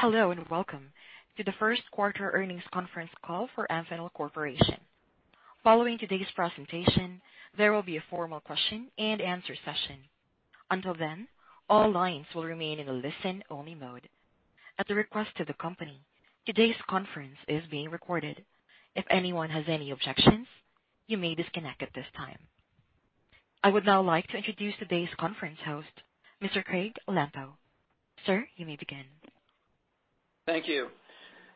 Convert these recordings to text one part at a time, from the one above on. Hello, and welcome to the first quarter earnings conference call for Amphenol Corporation. Following today's presentation, there will be a formal question and answer session. Until then, all lines will remain in a listen-only mode. At the request of the company, today's conference is being recorded. If anyone has any objections, you may disconnect at this time. I would now like to introduce today's conference host, Mr. Craig Lampo. Sir, you may begin. Thank you.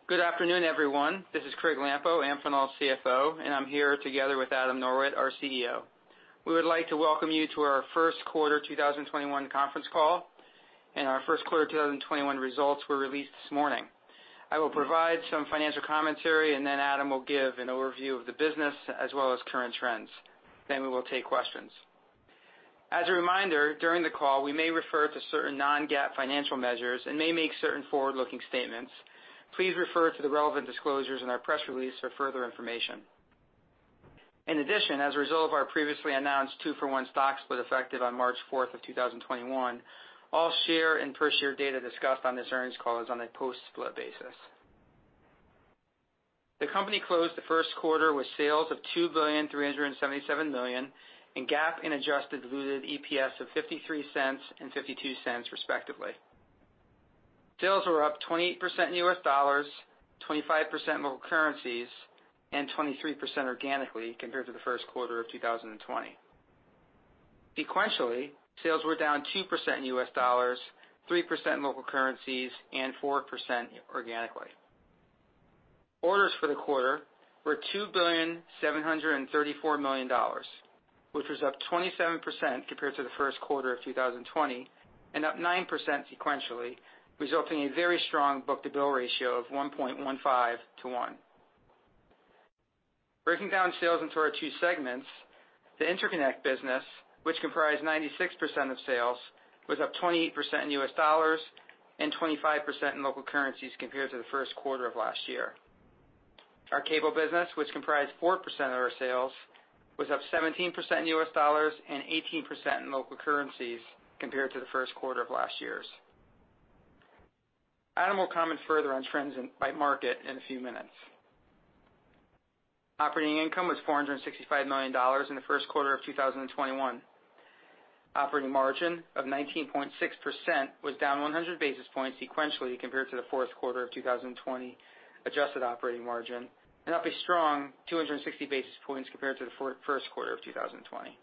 Good afternoon, everyone. This is Craig Lampo, Amphenol's CFO, and I'm here together with Adam Norwitt, our CEO. We would like to welcome you to our first quarter 2021 conference call. Our first quarter 2021 results were released this morning. I will provide some financial commentary. Adam will give an overview of the business as well as current trends. We will take questions. As a reminder, during the call, we may refer to certain non-GAAP financial measures and may make certain forward-looking statements. Please refer to the relevant disclosures in our press release for further information. In addition, as a result of our previously announced two-for-one stock split effective on March 4th of 2021, all share and per share data discussed on this earnings call is on a post-split basis. The company closed the first quarter with sales of $2.377 billion, and GAAP and adjusted diluted EPS of $0.53 and $0.52 respectively. Sales were up 20% in U.S. dollars, 25% local currencies, and 23% organically compared to the first quarter of 2020. Sequentially, sales were down 2% in U.S. dollars, 3% in local currencies, and 4% organically. Orders for the quarter were $2.734 billion, which was up 27% compared to the first quarter of 2020 and up 9% sequentially, resulting in very strong book-to-bill ratio of 115:1. Breaking down sales into our two segments, the interconnect business, which comprised 96% of sales, was up 28% in U.S. dollars and 25% in local currencies compared to the first quarter of last year. Our cable business, which comprised 4% of our sales, was up 17% in U.S. dollars and 18% in local currencies compared to the first quarter of last year's. Adam will comment further on trends by market in a few minutes. Operating income was $465 million in the first quarter of 2021. Operating margin of 19.6% was down 100 basis points sequentially compared to the fourth quarter of 2020 adjusted operating margin, and up a strong 260 basis points compared to the first quarter of 2020.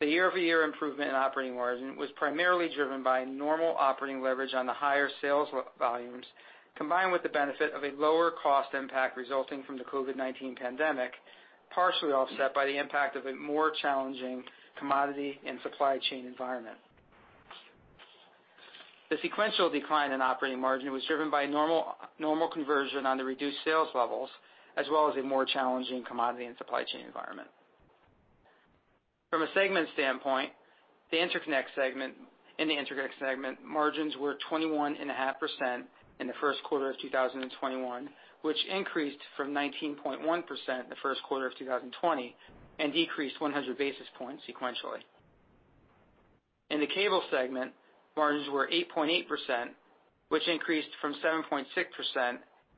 The year-over-year improvement in operating margin was primarily driven by normal operating leverage on the higher sales volumes, combined with the benefit of a lower cost impact resulting from the COVID-19 pandemic, partially offset by the impact of a more challenging commodity and supply chain environment. The sequential decline in operating margin was driven by normal conversion on the reduced sales levels, as well as a more challenging commodity and supply chain environment. From a segment standpoint, in the interconnect segment, margins were 21.5% in the first quarter of 2021, which increased from 19.1% the first quarter of 2020, and decreased 100 basis points sequentially. In the cable segment, margins were 8.8%, which increased from 7.6%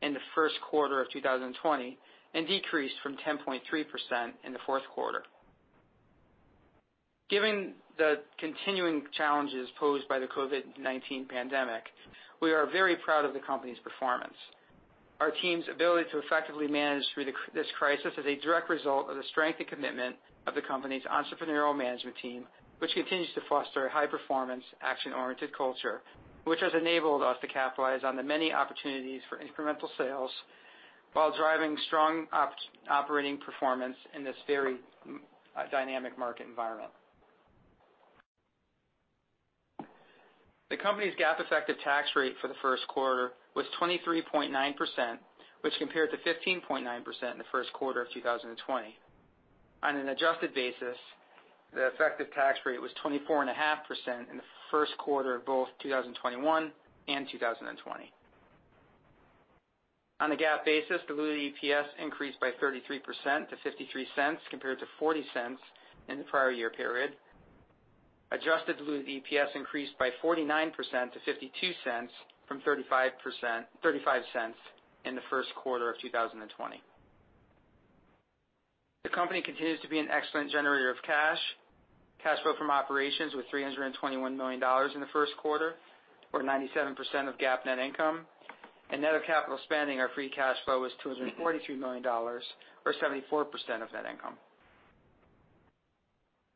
in the first quarter of 2020, and decreased from 10.3% in the fourth quarter. Given the continuing challenges posed by the COVID-19 pandemic, we are very proud of the company's performance. Our team's ability to effectively manage through this crisis is a direct result of the strength and commitment of the company's entrepreneurial management team, which continues to foster a high-performance, action-oriented culture, which has enabled us to capitalize on the many opportunities for incremental sales while driving strong operating performance in this very dynamic market environment. The company's GAAP effective tax rate for the first quarter was 23.9%, which compared to 15.9% in the first quarter of 2020. On an adjusted basis, the effective tax rate was 24.5% in the first quarter of both 2021 and 2020. On a GAAP basis, diluted EPS increased by 33% to $0.53 compared to $0.40 in the prior year period. Adjusted diluted EPS increased by 49% to $0.52 from $0.35 in the first quarter of 2020. The company continues to be an excellent generator of cash. Cash flow from operations was $321 million in the first quarter, or 97% of GAAP net income, and net of capital spending or free cash flow was $243 million, or 74% of net income.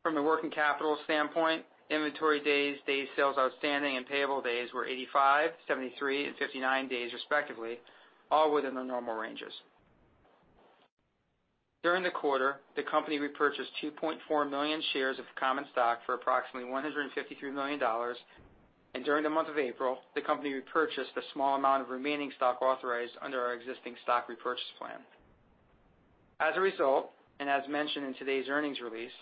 From a working capital standpoint, inventory days sales outstanding, and payable days were 85, 73, and 59 days respectively, all within their normal ranges. During the quarter, the company repurchased 2.4 million shares of common stock for approximately $153 million, and during the month of April, the company repurchased a small amount of remaining stock authorized under our existing stock repurchase plan. As a result, as mentioned in today's earnings release,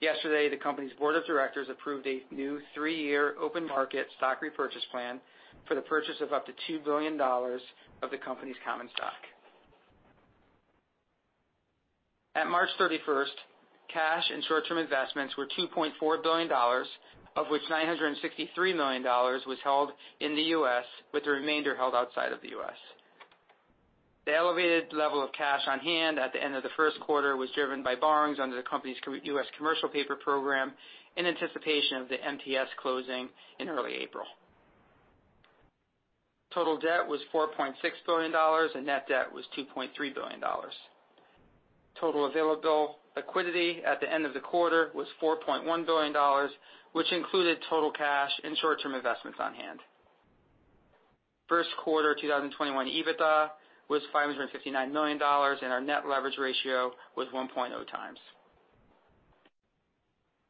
yesterday the company's board of directors approved a new three-year open-market stock repurchase plan for the purchase of up to $2 billion of the company's common stock. At March 31st, cash and short-term investments were $2.4 billion, of which $963 million was held in the U.S., with the remainder held outside of the U.S. The elevated level of cash on hand at the end of the first quarter was driven by borrowings under the company's U.S. commercial paper program in anticipation of the MTS closing in early April. Total debt was $4.6 billion, net debt was $2.3 billion. Total available liquidity at the end of the quarter was $4.1 billion, which included total cash and short-term investments on hand. First quarter 2021 EBITDA was $559 million, our net leverage ratio was 1.0x.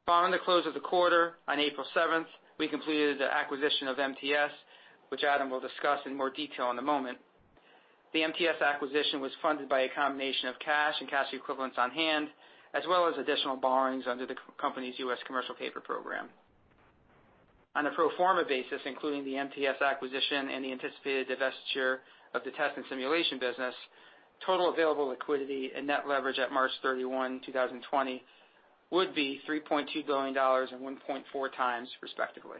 Following the close of the quarter, on April 7th, we completed the acquisition of MTS, which Adam will discuss in more detail in a moment. The MTS acquisition was funded by a combination of cash and cash equivalents on hand, as well as additional borrowings under the company's U.S. commercial paper program. On a pro forma basis, including the MTS acquisition and the anticipated divestiture of the test and simulation business, total available liquidity and net leverage at March 31, 2020, would be $3.2 billion and 1.4x, respectively.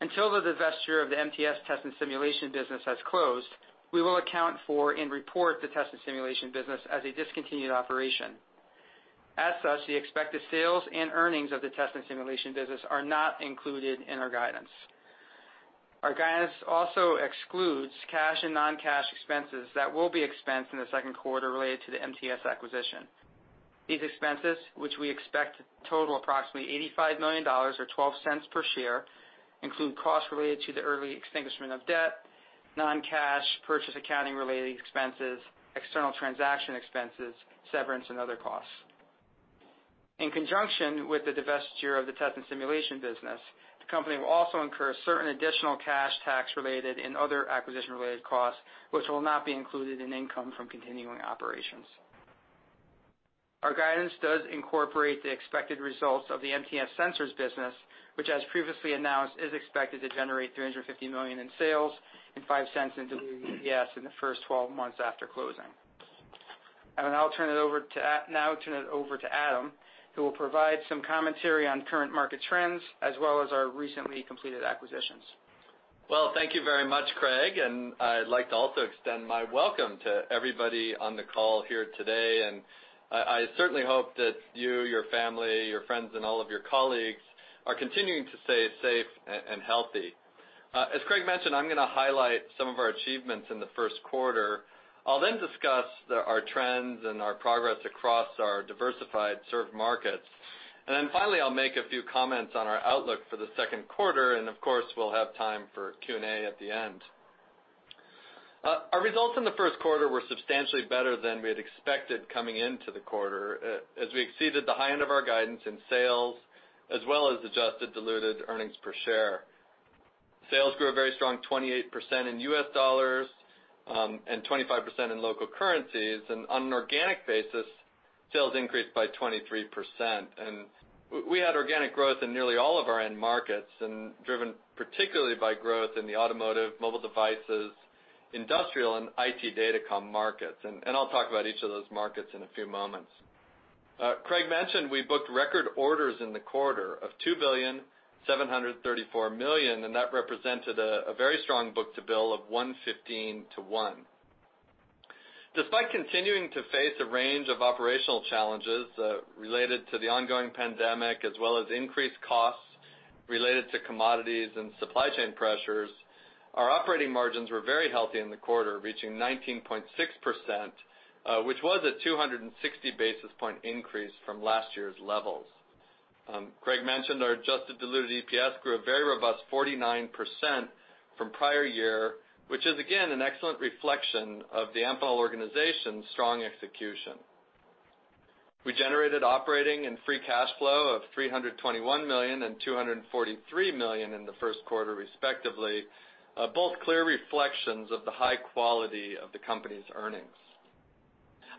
Until the divestiture of the MTS test and simulation business has closed, we will account for and report the test and simulation business as a discontinued operation. As such, the expected sales and earnings of the test and simulation business are not included in our guidance. Our guidance also excludes cash and non-cash expenses that will be expensed in the second quarter related to the MTS acquisition. These expenses, which we expect to total approximately $85 million or $0.12 per share, include costs related to the early extinguishment of debt, non-cash purchase accounting related expenses, external transaction expenses, severance, and other costs. In conjunction with the divestiture of the test and simulation business, the company will also incur certain additional cash, tax-related, and other acquisition-related costs, which will not be included in income from continuing operations. Our guidance does incorporate the expected results of the MTS Sensors business, which, as previously announced, is expected to generate $350 million in sales and $0.05 in diluted EPS in the first 12 months after closing. I will now turn it over to Adam, who will provide some commentary on current market trends as well as our recently completed acquisitions. Well, thank you very much, Craig, and I'd like to also extend my welcome to everybody on the call here today, and I certainly hope that you, your family, your friends, and all of your colleagues are continuing to stay safe and healthy. As Craig mentioned, I'm going to highlight some of our achievements in the first quarter. I'll then discuss our trends and our progress across our diversified served markets. Finally, I'll make a few comments on our outlook for the second quarter, and of course, we'll have time for Q&A at the end. Our results in the first quarter were substantially better than we had expected coming into the quarter, as we exceeded the high end of our guidance in sales as well as adjusted diluted earnings per share. Sales grew a very strong 28% in U.S. dollars and 25% in local currencies. On an organic basis, sales increased by 23%. We had organic growth in nearly all of our end markets and driven particularly by growth in the automotive, mobile devices, industrial, and IT datacom markets. I'll talk about each of those markets in a few moments. Craig mentioned we booked record orders in the quarter of $2.734 billion, that represented a very strong book-to-bill of 1.15-1. Despite continuing to face a range of operational challenges related to the ongoing pandemic, as well as increased costs related to commodities and supply chain pressures, our operating margins were very healthy in the quarter, reaching 19.6%, which was a 260 basis point increase from last year's levels. Craig mentioned our adjusted diluted EPS grew a very robust 49% from prior year, which is again, an excellent reflection of the Amphenol organization's strong execution. We generated operating and free cash flow of $321 million and $243 million in the first quarter, respectively, both clear reflections of the high quality of the company's earnings.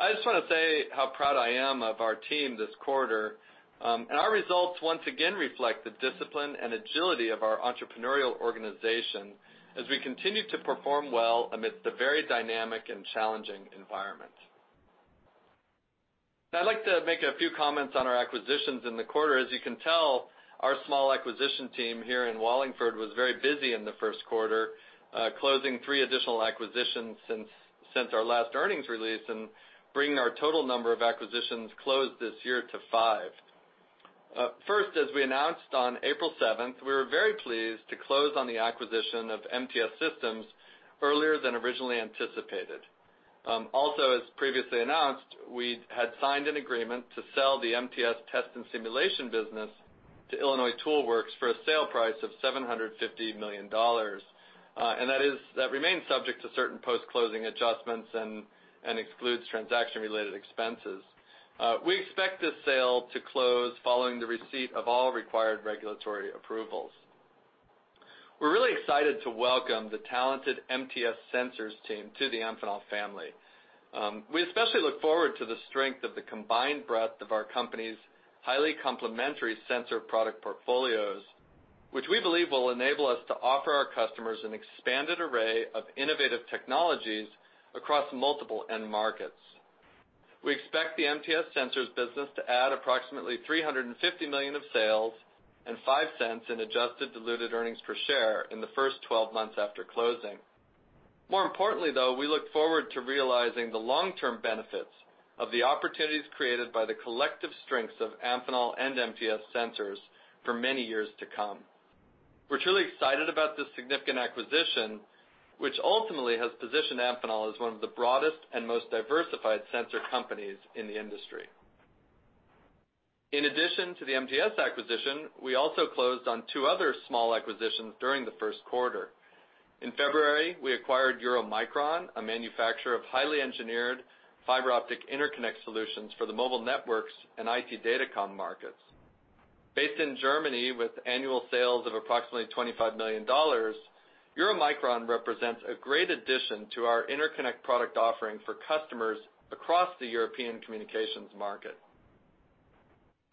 I just want to say how proud I am of our team this quarter. Our results once again reflect the discipline and agility of our entrepreneurial organization as we continue to perform well amidst a very dynamic and challenging environment. Now, I'd like to make a few comments on our acquisitions in the quarter. As you can tell, our small acquisition team here in Wallingford was very busy in the first quarter, closing three additional acquisitions since our last earnings release and bringing our total number of acquisitions closed this year to five. First, as we announced on April 7th, we were very pleased to close on the acquisition of MTS Systems earlier than originally anticipated. As previously announced, we had signed an agreement to sell the MTS Test & Simulation business to Illinois Tool Works for a sale price of $750 million. That remains subject to certain post-closing adjustments and excludes transaction-related expenses. We expect this sale to close following the receipt of all required regulatory approvals. We're really excited to welcome the talented MTS Sensors team to the Amphenol family. We especially look forward to the strength of the combined breadth of our company's highly complementary sensor product portfolios, which we believe will enable us to offer our customers an expanded array of innovative technologies across multiple end markets. We expect the MTS Sensors business to add approximately $350 million of sales and $0.05 in adjusted diluted earnings per share in the first 12 months after closing. More importantly, though, we look forward to realizing the long-term benefits of the opportunities created by the collective strengths of Amphenol and MTS Sensors for many years to come. We're truly excited about this significant acquisition, which ultimately has positioned Amphenol as one of the broadest and most diversified sensor companies in the industry. In addition to the MTS acquisition, we also closed on two other small acquisitions during the first quarter. In February, we acquired Euromicron, a manufacturer of highly engineered fiber optic interconnect solutions for the mobile networks and IT datacom markets. Based in Germany with annual sales of approximately $25 million, Euromicron represents a great addition to our interconnect product offering for customers across the European communications market.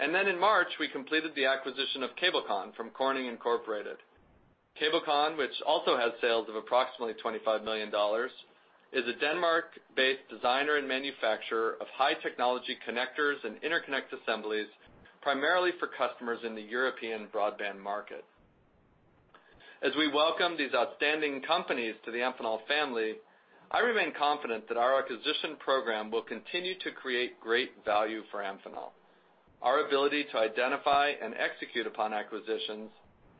In March, we completed the acquisition of Cabelcon from Corning Incorporated. Cabelcon, which also has sales of approximately $25 million, is a Denmark-based designer and manufacturer of high technology connectors and interconnect assemblies, primarily for customers in the European broadband market. As we welcome these outstanding companies to the Amphenol family, I remain confident that our acquisition program will continue to create great value for Amphenol. Our ability to identify and execute upon acquisitions,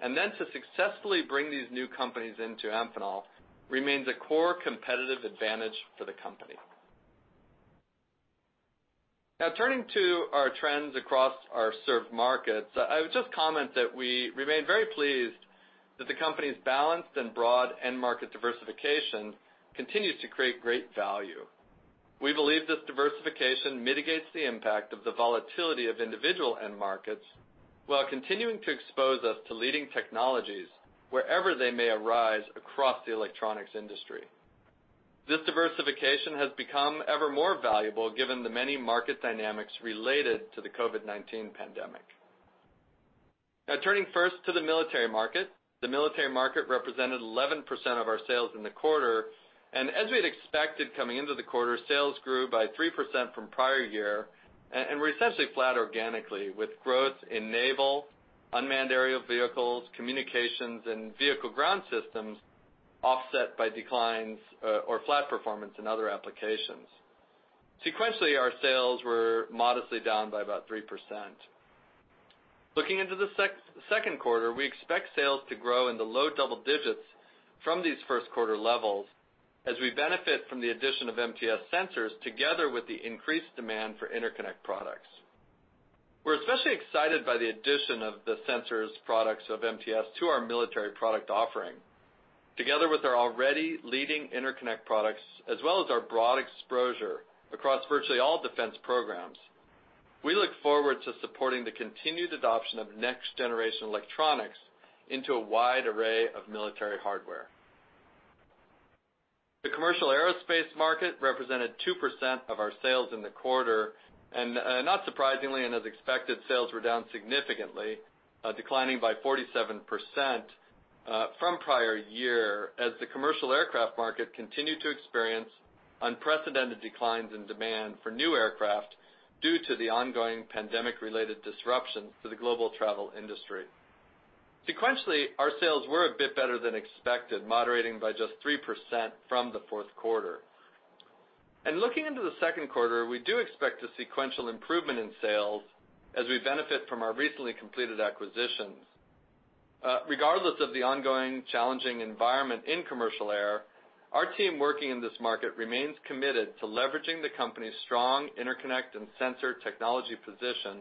and then to successfully bring these new companies into Amphenol, remains a core competitive advantage for the company. Turning to our trends across our served markets, I would just comment that we remain very pleased that the company's balanced and broad end market diversification continues to create great value. We believe this diversification mitigates the impact of the volatility of individual end markets, while continuing to expose us to leading technologies wherever they may arise across the electronics industry. This diversification has become ever more valuable given the many market dynamics related to the COVID-19 pandemic. Turning first to the military market. The military market represented 11% of our sales in the quarter. As we had expected coming into the quarter, sales grew by 3% from prior year, and were essentially flat organically, with growth in naval, unmanned aerial vehicles, communications, and vehicle ground systems offset by declines or flat performance in other applications. Sequentially, our sales were modestly down by about 3%. Looking into the second quarter, we expect sales to grow in the low double digits from these first quarter levels as we benefit from the addition of MTS Sensors together with the increased demand for interconnect products. We're especially excited by the addition of the sensors products of MTS to our military product offering. Together with our already leading interconnect products, as well as our broad exposure across virtually all defense programs, we look forward to supporting the continued adoption of next-generation electronics into a wide array of military hardware. The commercial aerospace market represented 2% of our sales in the quarter. Not surprisingly, and as expected, sales were down significantly, declining by 47% from prior year as the commercial aircraft market continued to experience unprecedented declines in demand for new aircraft due to the ongoing pandemic-related disruptions to the global travel industry. Sequentially, our sales were a bit better than expected, moderating by just 3% from the fourth quarter. Looking into the second quarter, we do expect a sequential improvement in sales as we benefit from our recently completed acquisitions. Regardless of the ongoing challenging environment in commercial air, our team working in this market remains committed to leveraging the company's strong interconnect and sensor technology position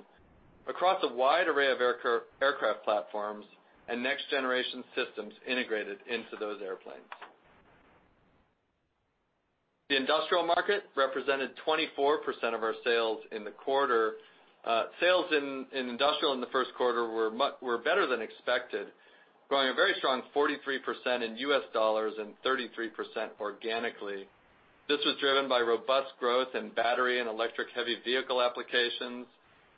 across a wide array of aircraft platforms and next-generation systems integrated into those airplanes. The industrial market represented 24% of our sales in the quarter. Sales in industrial in the first quarter were better than expected, growing a very strong 43% in U.S. dollars and 33% organically. This was driven by robust growth in battery and electric heavy vehicle applications,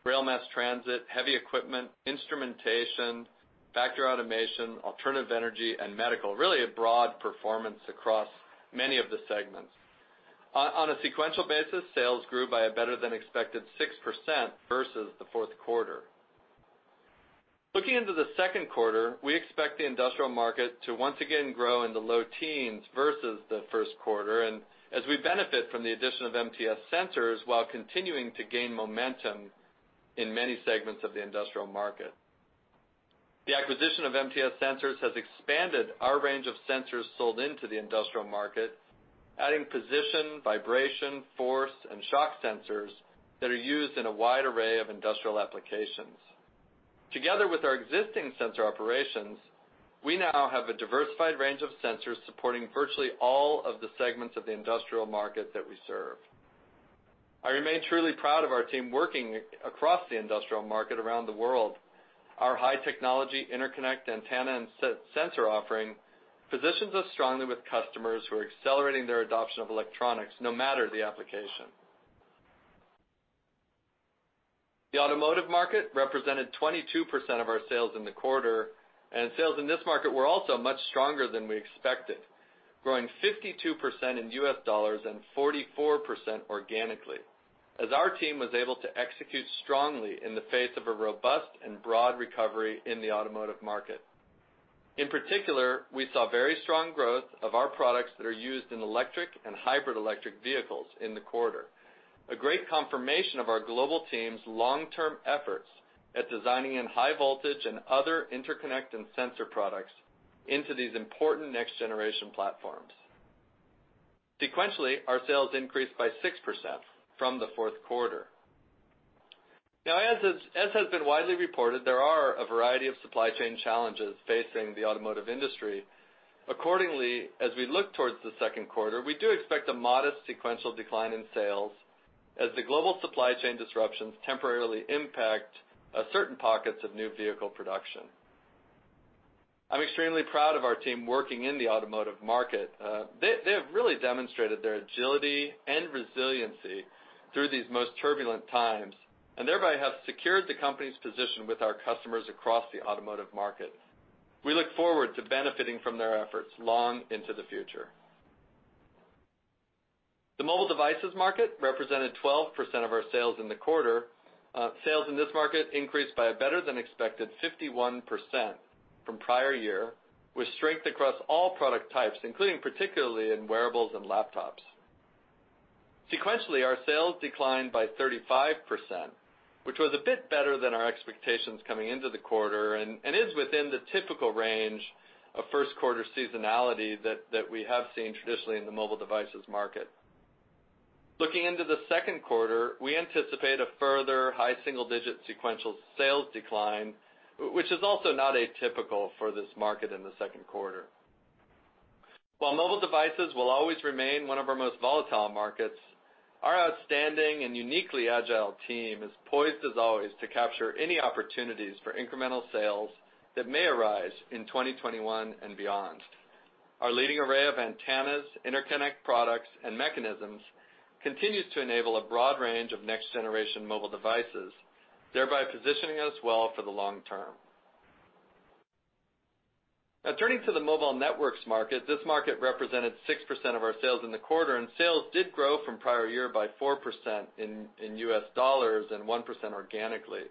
rail mass transit, heavy equipment, instrumentation, factory automation, alternative energy, and medical. Really a broad performance across many of the segments. On a sequential basis, sales grew by a better-than-expected 6% versus the fourth quarter. Looking into the second quarter, we expect the industrial market to once again grow in the low teens versus the first quarter and as we benefit from the addition of MTS Sensors while continuing to gain momentum in many segments of the industrial market. The acquisition of MTS Sensors has expanded our range of sensors sold into the industrial market, adding position, vibration, force, and shock sensors that are used in a wide array of industrial applications. Together with our existing sensor operations, we now have a diversified range of sensors supporting virtually all of the segments of the industrial market that we serve. I remain truly proud of our team working across the industrial market around the world. Our high-technology interconnect, antenna, and sensor offering positions us strongly with customers who are accelerating their adoption of electronics, no matter the application. Sales in this market represented 22% of our sales in the quarter, and sales in this market were also much stronger than we expected, growing 52% in U.S. dollars and 44% organically as our team was able to execute strongly in the face of a robust and broad recovery in the automotive market. In particular, we saw very strong growth of our products that are used in electric and hybrid electric vehicles in the quarter. A great confirmation of our global team's long-term efforts at designing in high voltage and other interconnect and sensor products into these important next-generation platforms. Sequentially, our sales increased by 6% from the fourth quarter. Now, as has been widely reported, there are a variety of supply chain challenges facing the automotive industry. As we look towards the second quarter, we do expect a modest sequential decline in sales as the global supply chain disruptions temporarily impact certain pockets of new vehicle production. I'm extremely proud of our team working in the automotive market. They have really demonstrated their agility and resiliency through these most turbulent times, and thereby have secured the company's position with our customers across the automotive market. We look forward to benefiting from their efforts long into the future. The mobile devices market represented 12% of our sales in the quarter. Sales in this market increased by a better-than-expected 51% from prior year, with strength across all product types, including particularly in wearables and laptops. Sequentially, our sales declined by 35%, which was a bit better than our expectations coming into the quarter and is within the typical range of first quarter seasonality that we have seen traditionally in the mobile devices market. Looking into the second quarter, we anticipate a further high single-digit sequential sales decline, which is also not atypical for this market in the second quarter. While mobile devices will always remain one of our most volatile markets, our outstanding and uniquely agile team is poised as always to capture any opportunities for incremental sales that may arise in 2021 and beyond. Our leading array of antennas, interconnect products, and mechanisms continues to enable a broad range of next-generation mobile devices, thereby positioning us well for the long term. Now, turning to the mobile networks market. This market represented 6% of our sales in the quarter, and sales did grow from prior year by 4% in U.S. dollars and 1% organically.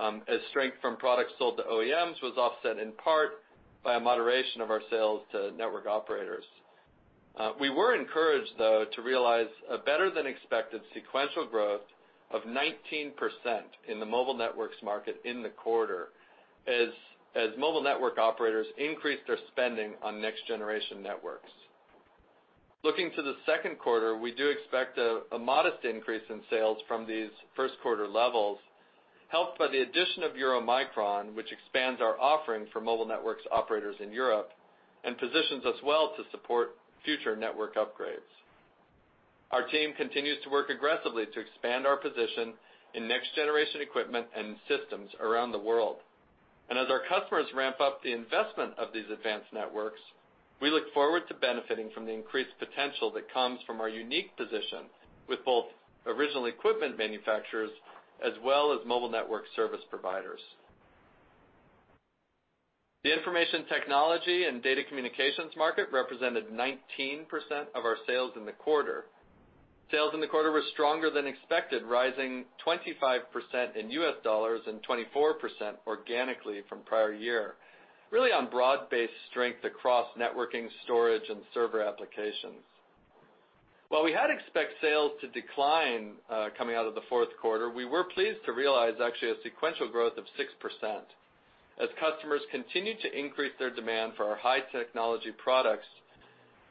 As strength from products sold to OEMs was offset in part by a moderation of our sales to network operators. We were encouraged, though, to realize a better-than-expected sequential growth of 19% in the mobile networks market in the quarter as mobile network operators increased their spending on next-generation networks. Looking to the second quarter, we do expect a modest increase in sales from these first quarter levels, helped by the addition of Euromicron, which expands our offering for mobile networks operators in Europe and positions us well to support future network upgrades. Our team continues to work aggressively to expand its position in next-generation equipment and systems around the world. As our customers ramp up the investment of these advanced networks, we look forward to benefiting from the increased potential that comes from our unique position with both original equipment manufacturers as well as mobile network service providers. The Information Technology and Data Communications market represented 19% of our sales in the quarter. Sales in the quarter were stronger than expected, rising 25% in U.S. dollars and 24% organically from prior year, really on broad-based strength across networking, storage, and server applications. While we had expected sales to decline coming out of the fourth quarter, we were pleased to realize actually a sequential growth of 6% as customers continued to increase their demand for our high technology products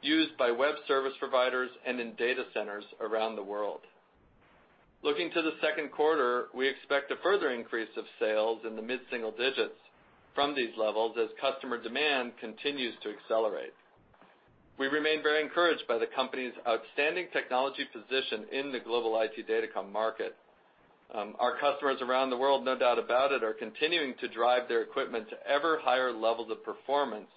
used by web service providers and in data centers around the world. Looking to the second quarter, we expect a further increase of sales in the mid-single digits from these levels as customer demand continues to accelerate. We remain very encouraged by the company's outstanding technology position in the global IT datacom market. Our customers around the world, no doubt about it, are continuing to drive their equipment to ever higher levels of performance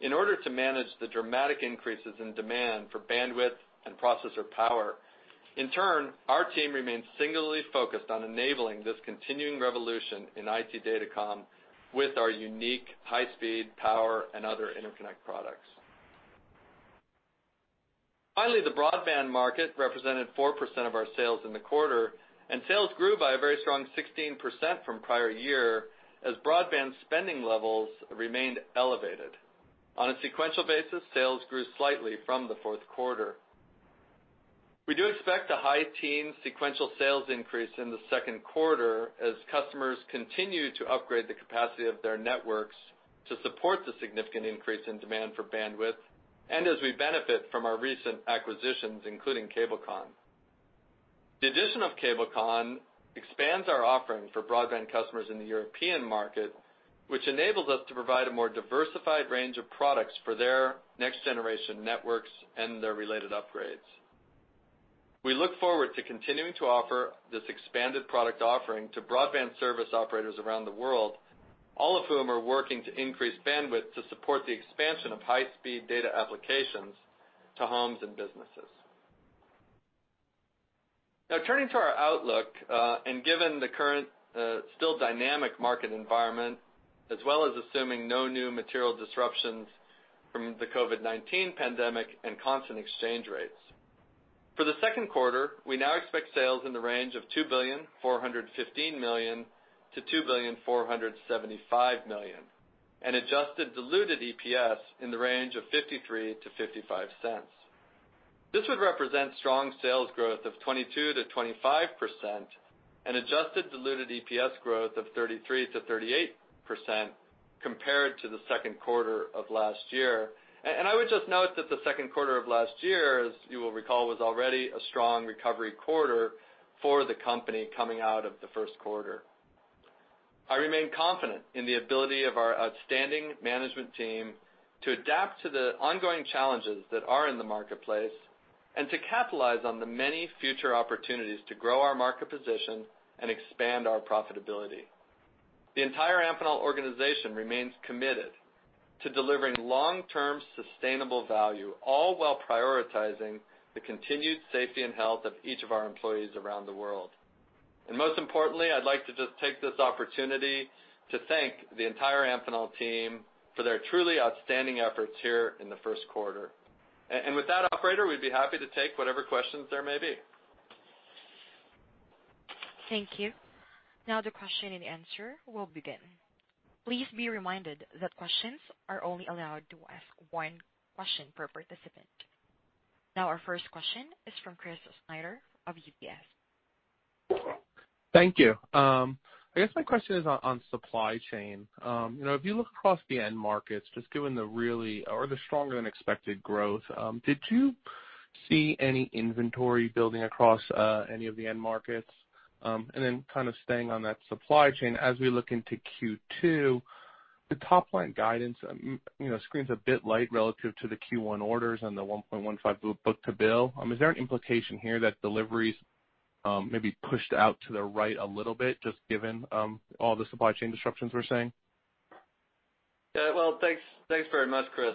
in order to manage the dramatic increases in demand for bandwidth and processor power. In turn, our team remains singularly focused on enabling this continuing revolution in IT datacom with our unique high speed, power, and other interconnect products. Finally, the broadband market represented 4% of our sales in the quarter, and sales grew by a very strong 16% from prior year as broadband spending levels remained elevated. On a sequential basis, sales grew slightly from the fourth quarter. We do expect a high teen sequential sales increase in the second quarter as customers continue to upgrade the capacity of their networks to support the significant increase in demand for bandwidth and as we benefit from our recent acquisitions, including Cabelcon. The addition of Cabelcon expands our offering for broadband customers in the European market, which enables us to provide a more diversified range of products for their next-generation networks and their related upgrades. We look forward to continuing to offer this expanded product offering to broadband service operators around the world, all of whom are working to increase bandwidth to support the expansion of high-speed data applications to homes and businesses. Now, turning to our outlook, given the current still dynamic market environment, as well as assuming no new material disruptions from the COVID-19 pandemic and constant exchange rates. For the second quarter, we now expect sales in the range of $2.415 billion-$2.475 billion, and adjusted diluted EPS in the range of $0.53-$0.55. This would represent strong sales growth of 22%-25% and adjusted diluted EPS growth of 33%-38% compared to the second quarter of last year. I would just note that the second quarter of last year, as you will recall, was already a strong recovery quarter for the company coming out of the first quarter. I remain confident in the ability of our outstanding management team to adapt to the ongoing challenges that are in the marketplace and to capitalize on the many future opportunities to grow our market position and expand our profitability. The entire Amphenol organization remains committed to delivering long-term sustainable value, all while prioritizing the continued safety and health of each of our employees around the world. Most importantly, I'd like to just take this opportunity to thank the entire Amphenol team for their truly outstanding efforts here in the first quarter. With that, operator, we'd be happy to take whatever questions there may be. Thank you. The question and answer will begin. Please be reminded that questions are only allowed to ask one question per participant. Our first question is from Chris Snyder of UBS. Thank you. I guess my question is on supply chain. If you look across the end markets, just given the really or the stronger-than-expected growth, did you see any inventory building across any of the end markets? Then kind of staying on that supply chain as we look into Q2, the top line guidance screens a bit light relative to the Q1 orders and the 1.15 book-to-bill. Is there an implication here that deliveries may be pushed out to the right a little bit just given all the supply chain disruptions we're seeing? Yeah, well, thanks very much, Chris.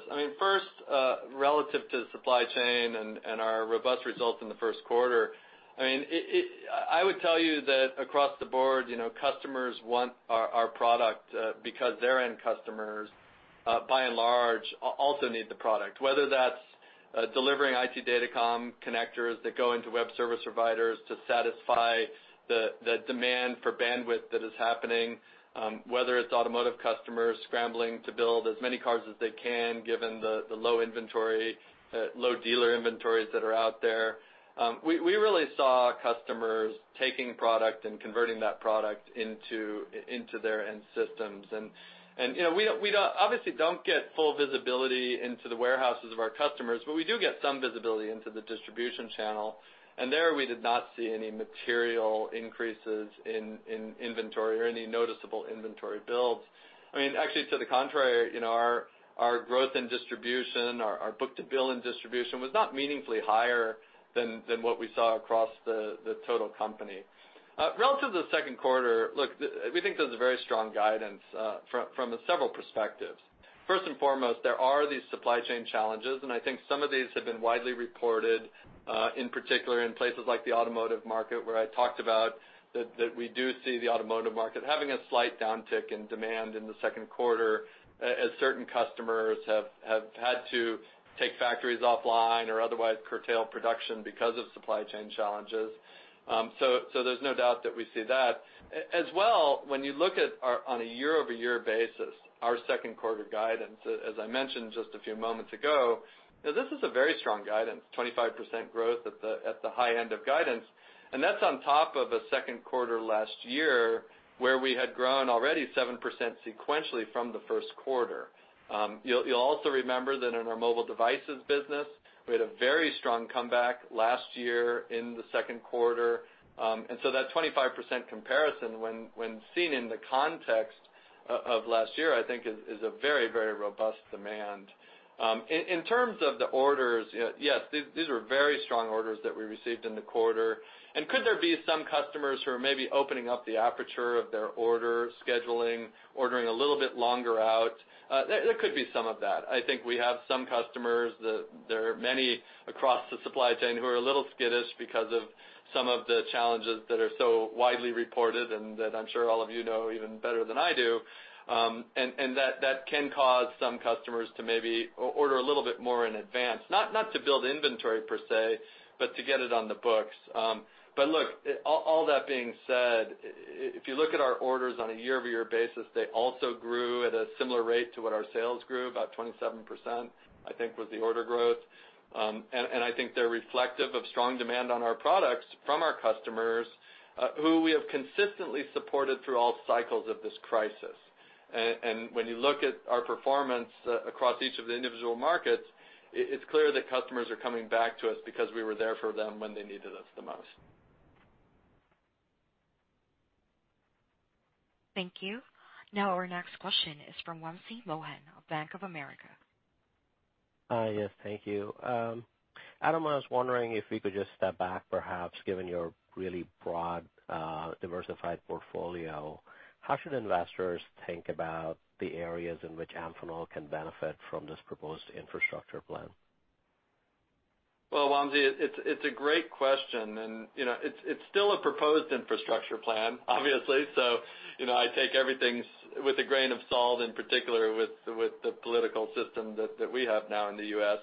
Relative to supply chain and our robust results in the first quarter, I would tell you that across the board, customers want our product because their end customers, by and large, also need the product. Whether that's delivering IT datacom connectors that go into web service providers to satisfy the demand for bandwidth that is happening, whether it's automotive customers scrambling to build as many cars as they can given the low dealer inventories that are out there. We really saw customers taking product and converting that product into their end systems. We obviously don't get full visibility into the warehouses of our customers, but we do get some visibility into the distribution channel, and there we did not see any material increases in inventory or any noticeable inventory builds. Actually to the contrary, our growth in distribution, our book-to-bill in distribution was not meaningfully higher than what we saw across the total company. Relative to the second quarter, look, we think there's a very strong guidance from several perspectives. First and foremost, there are these supply chain challenges, and I think some of these have been widely reported, in particular in places like the automotive market, where I talked about that we do see the automotive market having a slight downtick in demand in the second quarter as certain customers have had to take factories offline or otherwise curtail production because of supply chain challenges. There's no doubt that we see that. When you look on a year-over-year basis, our second quarter guidance, as I mentioned just a few moments ago, this is a very strong guidance, 25% growth at the high end of guidance, and that's on top of a second quarter last year where we had grown already 7% sequentially from the first quarter. You'll also remember that in our mobile devices business, we had a very strong comeback last year in the second quarter. That 25% comparison, when seen in the context of last year, I think is a very robust demand. In terms of the orders, yes, these were very strong orders that we received in the quarter. Could there be some customers who are maybe opening up the aperture of their order scheduling, ordering a little bit longer out? There could be some of that. I think we have some customers that there are many across the supply chain who are a little skittish because of some of the challenges that are so widely reported and that I'm sure all of you know even better than I do. That can cause some customers to maybe order a little bit more in advance. Not to build inventory per se, but to get it on the books. Look, all that being said, if you look at our orders on a year-over-year basis, they also grew at a similar rate to what our sales grew, about 27%, I think was the order growth. I think they're reflective of strong demand on our products from our customers, who we have consistently supported through all cycles of this crisis. When you look at our performance across each of the individual markets, it's clear that customers are coming back to us because we were there for them when they needed us the most. Thank you. Our next question is from Wamsi Mohan of Bank of America. Hi. Yes. Thank you. Adam, I was wondering if we could just step back, perhaps, given your really broad, diversified portfolio. How should investors think about the areas in which Amphenol can benefit from this proposed infrastructure plan? Well, Wamsi, it's a great question and it's still a proposed infrastructure plan, obviously. I take everything with a grain of salt, in particular with the political system that we have now in the U.S.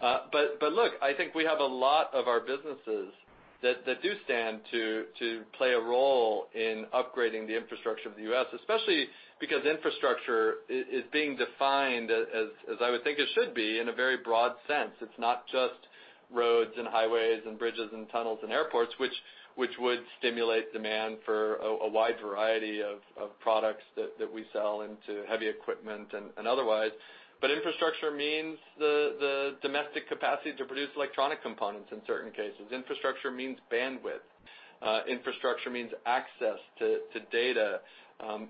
I think we have a lot of our businesses that do stand to play a role in upgrading the infrastructure of the U.S., especially because infrastructure is being defined as I would think it should be, in a very broad sense. It's not just roads and highways and bridges and tunnels and airports, which would stimulate demand for a wide variety of products that we sell into heavy equipment and otherwise. Infrastructure means the domestic capacity to produce electronic components in certain cases. Infrastructure means bandwidth. Infrastructure means access to data,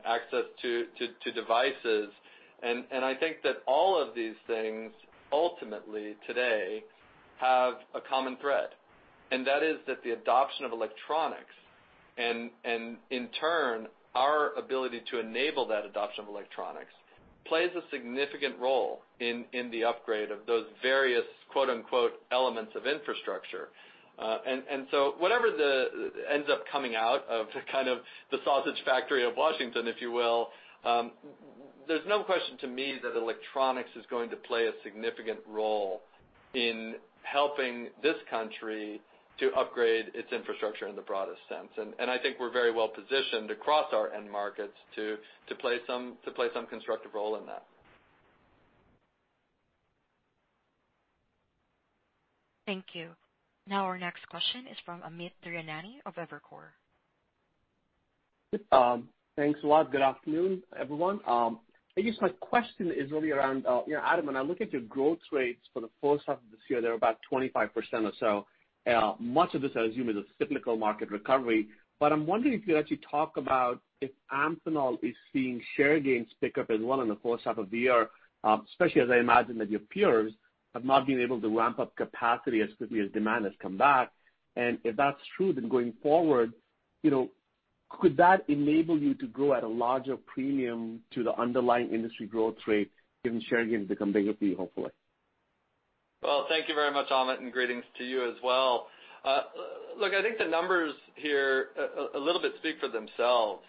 access to devices. I think that all of these things ultimately, today, have a common thread. That is that the adoption of electronics and in turn, our ability to enable that adoption of electronics, plays a significant role in the upgrade of those various, quote unquote, "elements of infrastructure." Whatever ends up coming out of the sausage factory of Washington, if you will, there's no question to me that electronics is going to play a significant role in helping this country to upgrade its infrastructure in the broadest sense. I think we're very well-positioned across our end markets to play some constructive role in that. Thank you. Our next question is from Amit Daryanani of Evercore. Thanks a lot. Good afternoon, everyone. I guess my question is really around, Adam Norwitt, when I look at your growth rates for the first half of this year, they're about 25% or so. Much of this, I assume, is a cyclical market recovery. I'm wondering if you'd actually talk about if Amphenol is seeing share gains pick up as well in the first half of the year, especially as I imagine that your peers have not been able to ramp up capacity as quickly as demand has come back. If that's true, going forward, could that enable you to grow at a larger premium to the underlying industry growth rate, given share gains become bigger for you, hopefully? Well, thank you very much, Amit, and greetings to you as well. Look, I think the numbers here a little bit speak for themselves.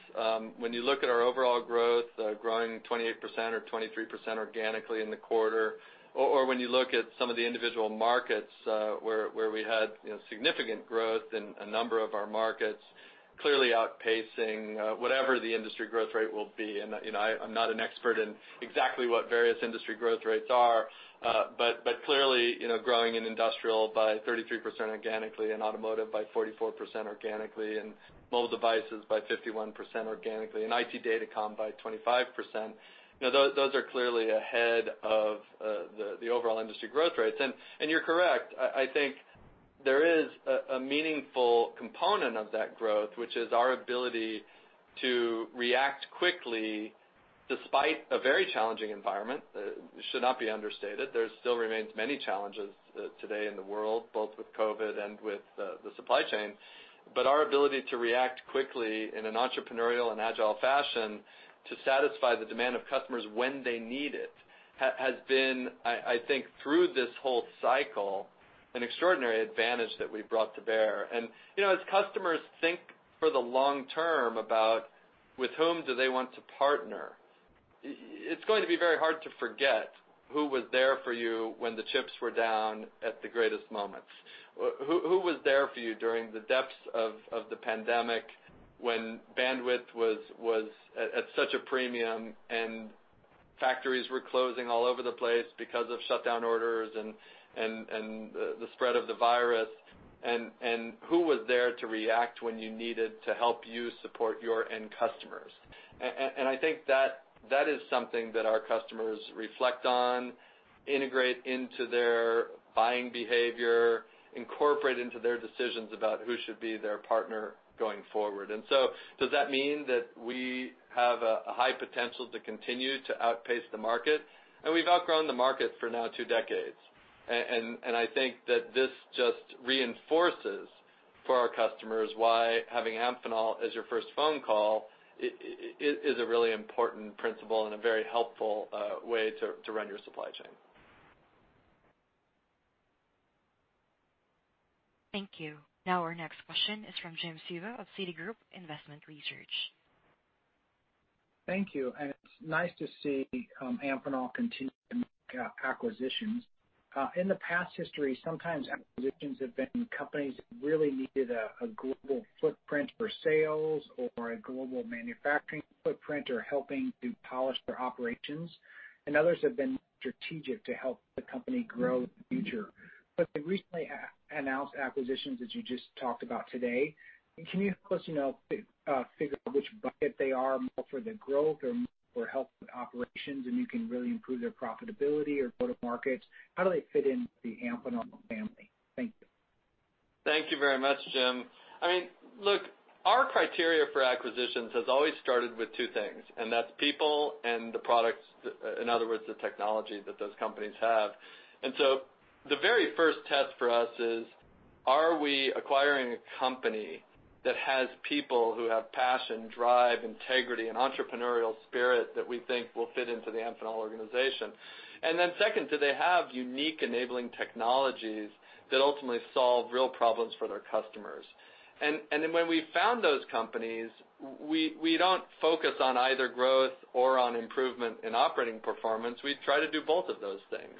When you look at our overall growth, growing 28% or 23% organically in the quarter, or when you look at some of the individual markets where we had significant growth in a number of our markets, clearly outpacing whatever the industry growth rate will be. I'm not an expert in exactly what various industry growth rates are. Clearly, growing in industrial by 33% organically and automotive by 44% organically and mobile devices by 51% organically and IT datacom by 25%. Those are clearly ahead of the overall industry growth rates. You're correct. I think there is a meaningful component of that growth, which is our ability to react quickly despite a very challenging environment. This should not be understated. There still remains many challenges today in the world, both with COVID and with the supply chain. Our ability to react quickly in an entrepreneurial and agile fashion to satisfy the demand of customers when they need it has been, I think through this whole cycle, an extraordinary advantage that we've brought to bear. As customers think for the long term about with whom do they want to partner, it's going to be very hard to forget who was there for you when the chips were down at the greatest moments. Who was there for you during the depths of the pandemic when bandwidth was at such a premium and factories were closing all over the place because of shutdown orders and the spread of the virus, and who was there to react when you needed to help you support your end customers? I think that is something that our customers reflect on, integrate into their buying behavior, incorporate into their decisions about who should be their partner going forward. Does that mean that we have a high potential to continue to outpace the market? We've outgrown the market for now two decades. I think that this just reinforces for our customers why having Amphenol as your first phone call is a really important principle and a very helpful way to run your supply chain. Thank you. Our next question is from Jim Suva of Citigroup Global Markets. Thank you. It's nice to see Amphenol continuing to make acquisitions. In the past history, sometimes acquisitions have been companies that really needed a global footprint for sales or a global manufacturing footprint or helping to polish their operations. Others have been strategic to help the company grow in the future. The recently announced acquisitions that you just talked about today, can you help us figure out which bucket they are, more for the growth or more for helping operations, and you can really improve their profitability or go-to-markets? How do they fit into the Amphenol family? Thank you. Thank you very much, Jim. Look, our criteria for acquisitions has always started with two things, and that's people and the products, in other words, the technology that those companies have. The very first test for us is, are we acquiring a company that has people who have passion, drive, integrity, and entrepreneurial spirit that we think will fit into the Amphenol organization? Second, do they have unique enabling technologies that ultimately solve real problems for their customers? When we've found those companies, we don't focus on either growth or on improvement in operating performance. We try to do both of those things.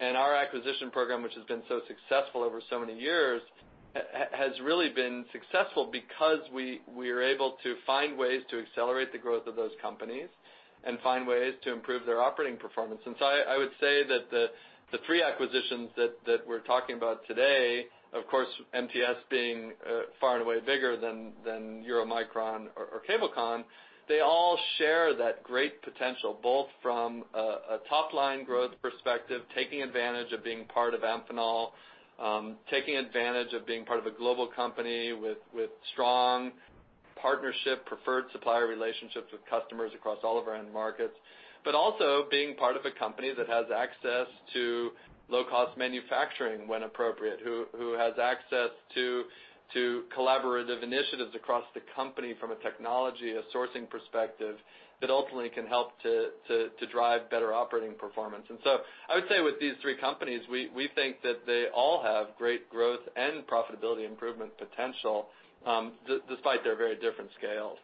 Our acquisition program, which has been so successful over so many years, has really been successful because we are able to find ways to accelerate the growth of those companies and find ways to improve their operating performance. I would say that the three acquisitions that we're talking about today, of course, MTS being far and away bigger than Euromicron or Cabelcon, they all share that great potential, both from a top-line growth perspective, taking advantage of being part of Amphenol, taking advantage of being part of a global company with strong partnership, preferred supplier relationships with customers across all of our end markets. Also being part of a company that has access to low-cost manufacturing when appropriate, who has access to collaborative initiatives across the company from a technology, a sourcing perspective that ultimately can help to drive better operating performance. I would say with these three companies, we think that they all have great growth and profitability improvement potential, despite their very different scales.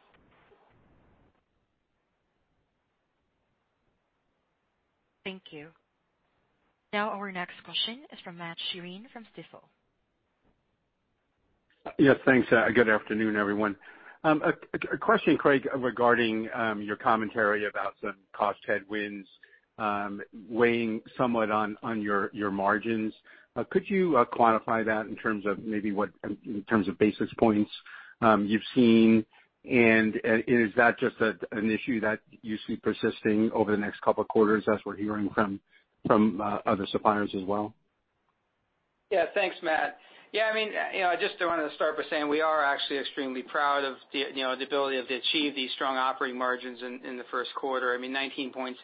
Thank you. Now, our next question is from Matt Sheerin from Stifel. Yes, thanks. Good afternoon, everyone. A question, Craig, regarding your commentary about some cost headwinds weighing somewhat on your margins. Could you quantify that in terms of maybe what, in terms of basis points you've seen? Is that just an issue that you see persisting over the next couple of quarters, as we're hearing from other suppliers as well? Yeah. Thanks, Matt. I just want to start by saying we are actually extremely proud of the ability to achieve these strong operating margins in the first quarter. 19.6%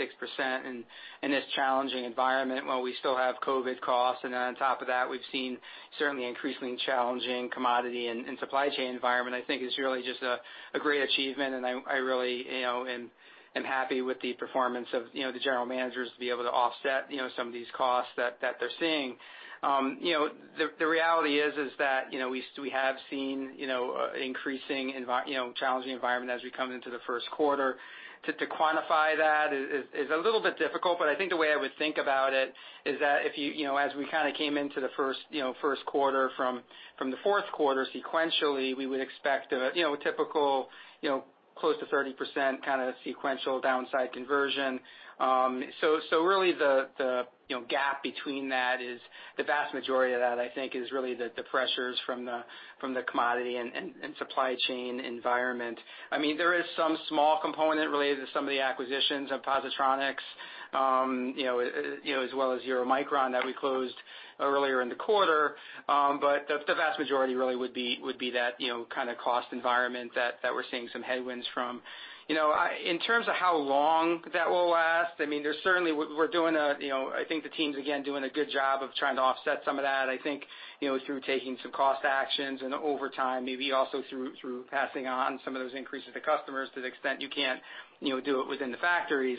in this challenging environment while we still have COVID costs, on top of that, we've seen certainly increasingly challenging commodity and supply chain environment, I think is really just a great achievement, and I really am happy with the performance of the general managers to be able to offset some of these costs that they're seeing. The reality is that we have seen increasingly challenging environment as we come into the first quarter. To quantify that is a little bit difficult, but I think the way I would think about it is that as we kind of came into the first quarter from the fourth quarter sequentially, we would expect a typical close to 30% kind of sequential downside conversion. Really the gap between that is the vast majority of that, I think, is really the pressures from the commodity and supply chain environment. There is some small component related to some of the acquisitions of Positronic as well as Euromicron that we closed earlier in the quarter. The vast majority really would be that kind of cost environment that we're seeing some headwinds from. In terms of how long that will last, certainly we're doing, I think the team's, again, doing a good job of trying to offset some of that, I think, through taking some cost actions and over time, maybe also through passing on some of those increases to customers to the extent you can't do it within the factories.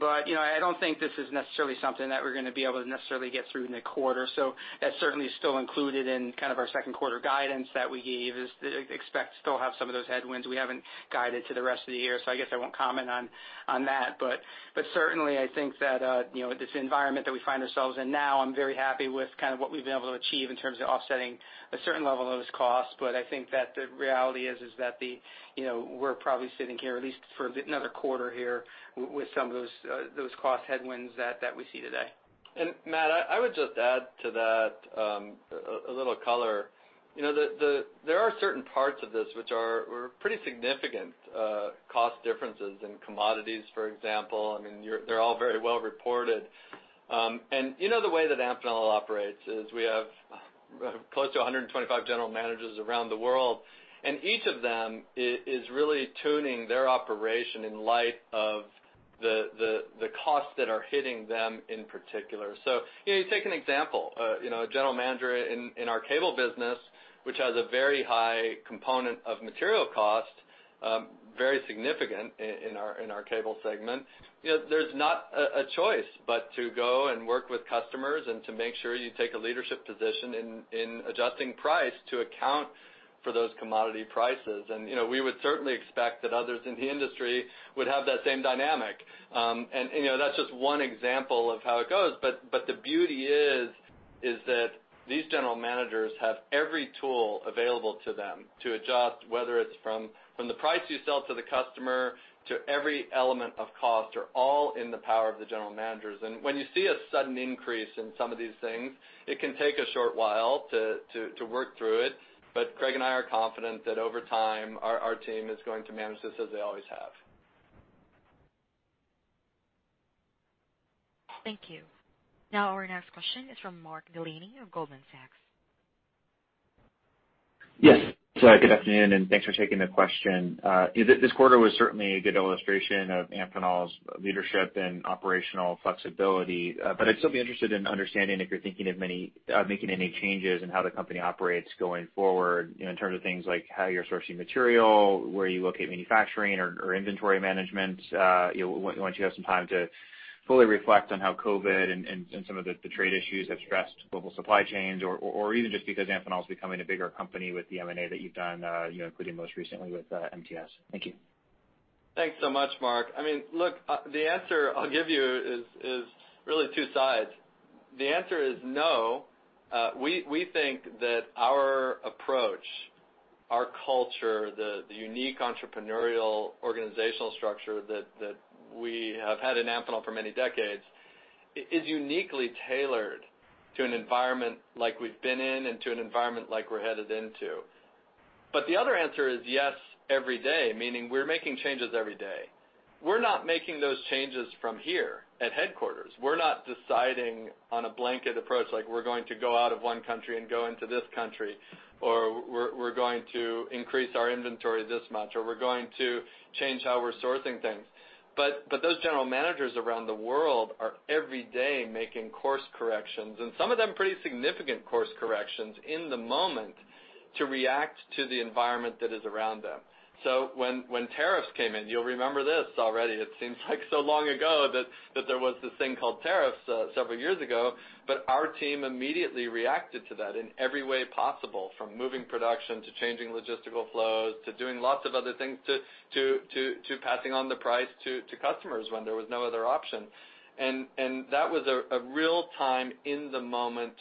I don't think this is necessarily something that we're going to be able to necessarily get through in a quarter. That's certainly still included in kind of our second quarter guidance that we gave, is expect to still have some of those headwinds. We haven't guided to the rest of the year, so I guess I won't comment on that. Certainly, I think that this environment that we find ourselves in now, I'm very happy with kind of what we've been able to achieve in terms of offsetting a certain level of those costs. I think that the reality is that we're probably sitting here at least for another quarter here with some of those cost headwinds that we see today. Matt, I would just add to that a little color. There are certain parts of this which are pretty significant cost differences in commodities, for example. They're all very well reported. You know the way that Amphenol operates, is we have close to 125 general managers around the world, and each of them is really tuning their operation in light of the costs that are hitting them in particular. So take an example. A general manager in our cable business, which has a very high component of material cost, very significant in our cable segment. There's not a choice but to go and work with customers and to make sure you take a leadership position in adjusting price to account for those commodity prices. We would certainly expect that others in the industry would have that same dynamic. That's just one example of how it goes. The beauty is that these general managers have every tool available to them to adjust, whether it's from the price you sell to the customer, to every element of cost, are all in the power of the general managers. When you see a sudden increase in some of these things, it can take a short while to work through it, but Craig and I are confident that over time, our team is going to manage this as they always have. Thank you. Now, our next question is from Mark [Urini] of Goldman Sachs. Yes. Good afternoon, and thanks for taking the question. This quarter was certainly a good illustration of Amphenol's leadership and operational flexibility. I'd still be interested in understanding if you're thinking of making any changes in how the company operates going forward, in terms of things like how you're sourcing material, where you locate manufacturing or inventory management, once you have some time to fully reflect on how COVID and some of the trade issues have stressed global supply chains or even just because Amphenol is becoming a bigger company with the M&A that you've done, including most recently with MTS. Thank you. Thanks so much, Mark. Look, the answer I'll give you is really two sides. The answer is no. We think that our approach, our culture, the unique entrepreneurial organizational structure that we have had in Amphenol for many decades is uniquely tailored to an environment like we've been in and to an environment like we're headed into. The other answer is yes, every day, meaning we're making changes every day. We're not making those changes from here at headquarters. We're not deciding on a blanket approach, like we're going to go out of one country and go into this country, or we're going to increase our inventory this much, or we're going to change how we're sourcing things. Those general managers around the world are every day making course corrections, and some of them pretty significant course corrections in the moment to react to the environment that is around them. When tariffs came in, you'll remember this already, it seems like so long ago that there was this thing called tariffs several years ago, but our team immediately reacted to that in every way possible, from moving production, to changing logistical flows, to doing lots of other things, to passing on the price to customers when there was no other option. That was a real time in the moment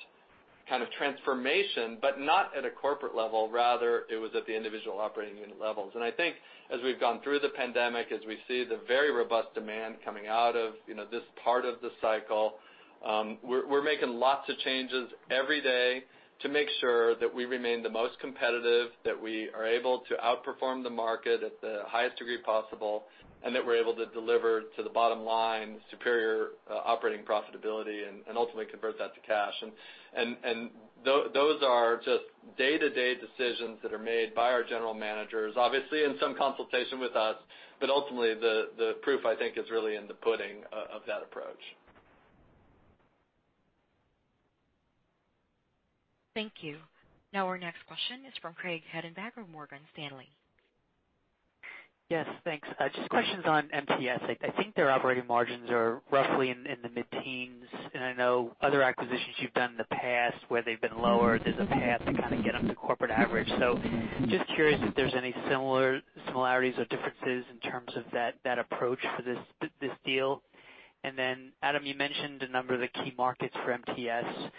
kind of transformation, but not at a corporate level. Rather, it was at the individual operating unit levels. I think as we've gone through the pandemic, as we see the very robust demand coming out of this part of the cycle, we're making lots of changes every day to make sure that we remain the most competitive, that we are able to outperform the market at the highest degree possible, and that we're able to deliver to the bottom line superior operating profitability and ultimately convert that to cash. Those are just day-to-day decisions that are made by our general managers, obviously in some consultation with us, but ultimately the proof, I think, is really in the pudding of that approach. Thank you. Now, our next question is from Craig Hettenbach of Morgan Stanley. Yes, thanks. Just questions on MTS. I think their operating margins are roughly in the mid-teens, and I know other acquisitions you've done in the past where they've been lower, there's a path to kind of get them to corporate average. Just curious if there's any similarities or differences in terms of that approach for this deal. Then Adam, you mentioned a number of the key markets for MTS,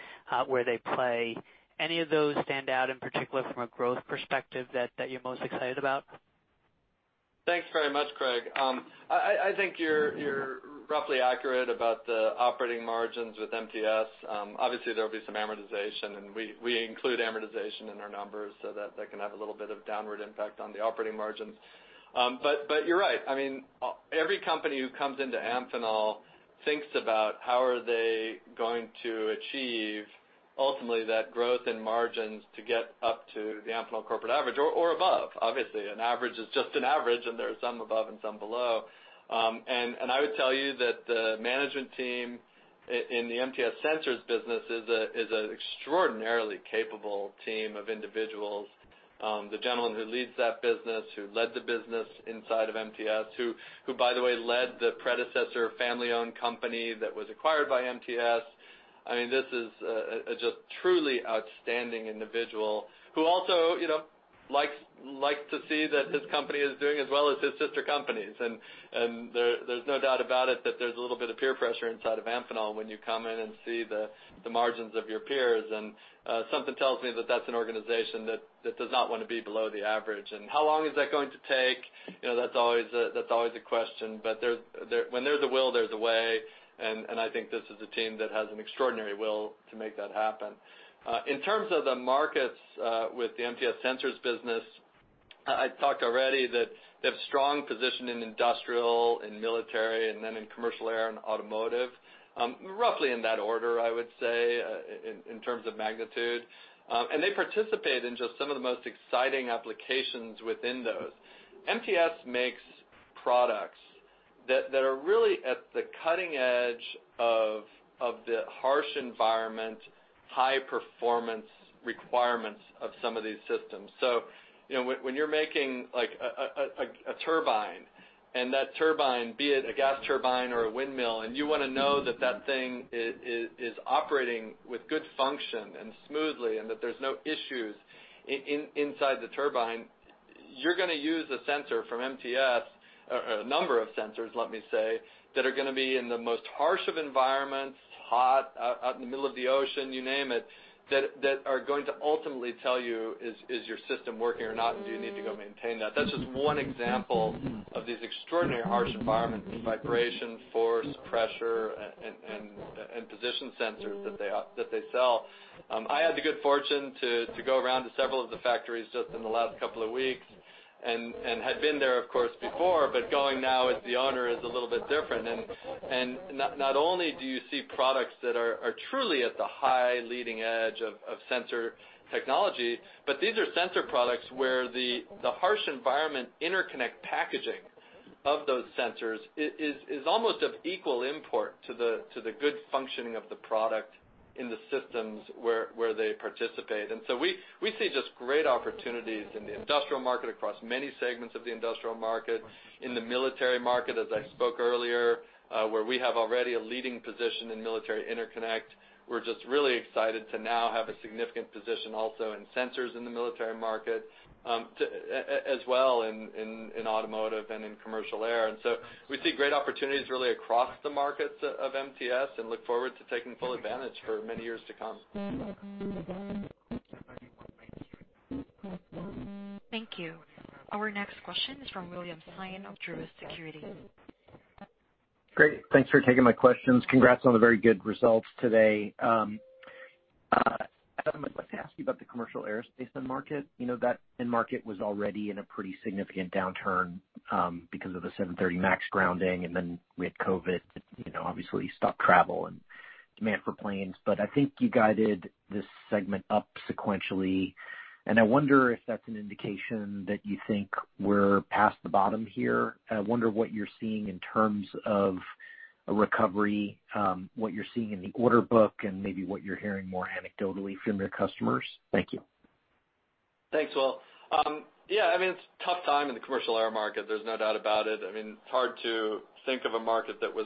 where they play. Any of those stand out in particular from a growth perspective that you're most excited about? Thanks very much, Craig. I think you're roughly accurate about the operating margins with MTS. There'll be some amortization, and we include amortization in our numbers, so that can have a little bit of downward impact on the operating margins. You're right. Every company who comes into Amphenol thinks about how are they going to achieve, ultimately, that growth in margins to get up to the Amphenol corporate average or above. An average is just an average, and there are some above and some below. I would tell you that the management team in the MTS Sensors business is an extraordinarily capable team of individuals. The gentleman who leads that business, who led the business inside of MTS, who by the way, led the predecessor family-owned company that was acquired by MTS. This is a just truly outstanding individual who also likes to see that his company is doing as well as his sister companies. There's no doubt about it that there's a little bit of peer pressure inside of Amphenol when you come in and see the margins of your peers. Something tells me that that's an organization that does not want to be below the average. How long is that going to take? That's always a question, but when there's a will, there's a way, and I think this is a team that has an extraordinary will to make that happen. In terms of the markets with the MTS Sensors business, I talked already that they have strong position in industrial and military and then in commercial air and automotive. Roughly in that order, I would say, in terms of magnitude. They participate in just some of the most exciting applications within those. MTS makes products that are really at the cutting edge of the harsh environment, high performance requirements of some of these systems. When you're making a turbine and that turbine, be it a gas turbine or a windmill, and you want to know that thing is operating with good function and smoothly, and that there's no issues inside the turbine, you're going to use a sensor from MTS, a number of sensors, let me say, that are going to be in the most harsh of environments, hot, out in the middle of the ocean, you name it, that are going to ultimately tell you, is your system working or not? Do you need to go maintain that? That's just one example of these extraordinary harsh environments, vibration, force, pressure, and position sensors that they sell. I had the good fortune to go around to several of the factories just in the last couple of weeks. Had been there, of course, before, but going now as the owner is a little bit different. Not only do you see products that are truly at the high leading edge of sensor technology, but these are sensor products where the harsh environment interconnect packaging of those sensors is almost of equal import to the good functioning of the product in the systems where they participate. We see just great opportunities in the industrial market, across many segments of the industrial market, in the military market, as I spoke earlier, where we have already a leading position in military interconnect. We're just really excited to now have a significant position also in sensors in the military market, as well in automotive and in commercial air. We see great opportunities really across the markets of MTS and look forward to taking full advantage for many years to come. Thank you. Our next question is from William Stein of Truist Securities. Great. Thanks for taking my questions. Congrats on the very good results today. Adam, I'd like to ask you about the commercial aerospace end market. That end market was already in a pretty significant downturn, because of the 737 Max grounding, and then we had COVID, obviously stopped travel and demand for planes. I think you guided this segment up sequentially, and I wonder if that's an indication that you think we're past the bottom here. I wonder what you're seeing in terms of a recovery, what you're seeing in the order book, and maybe what you're hearing more anecdotally from your customers. Thank you. Thanks, Will. Yeah, it's a tough time in the commercial air market. There's no doubt about it. It's hard to think of a market that was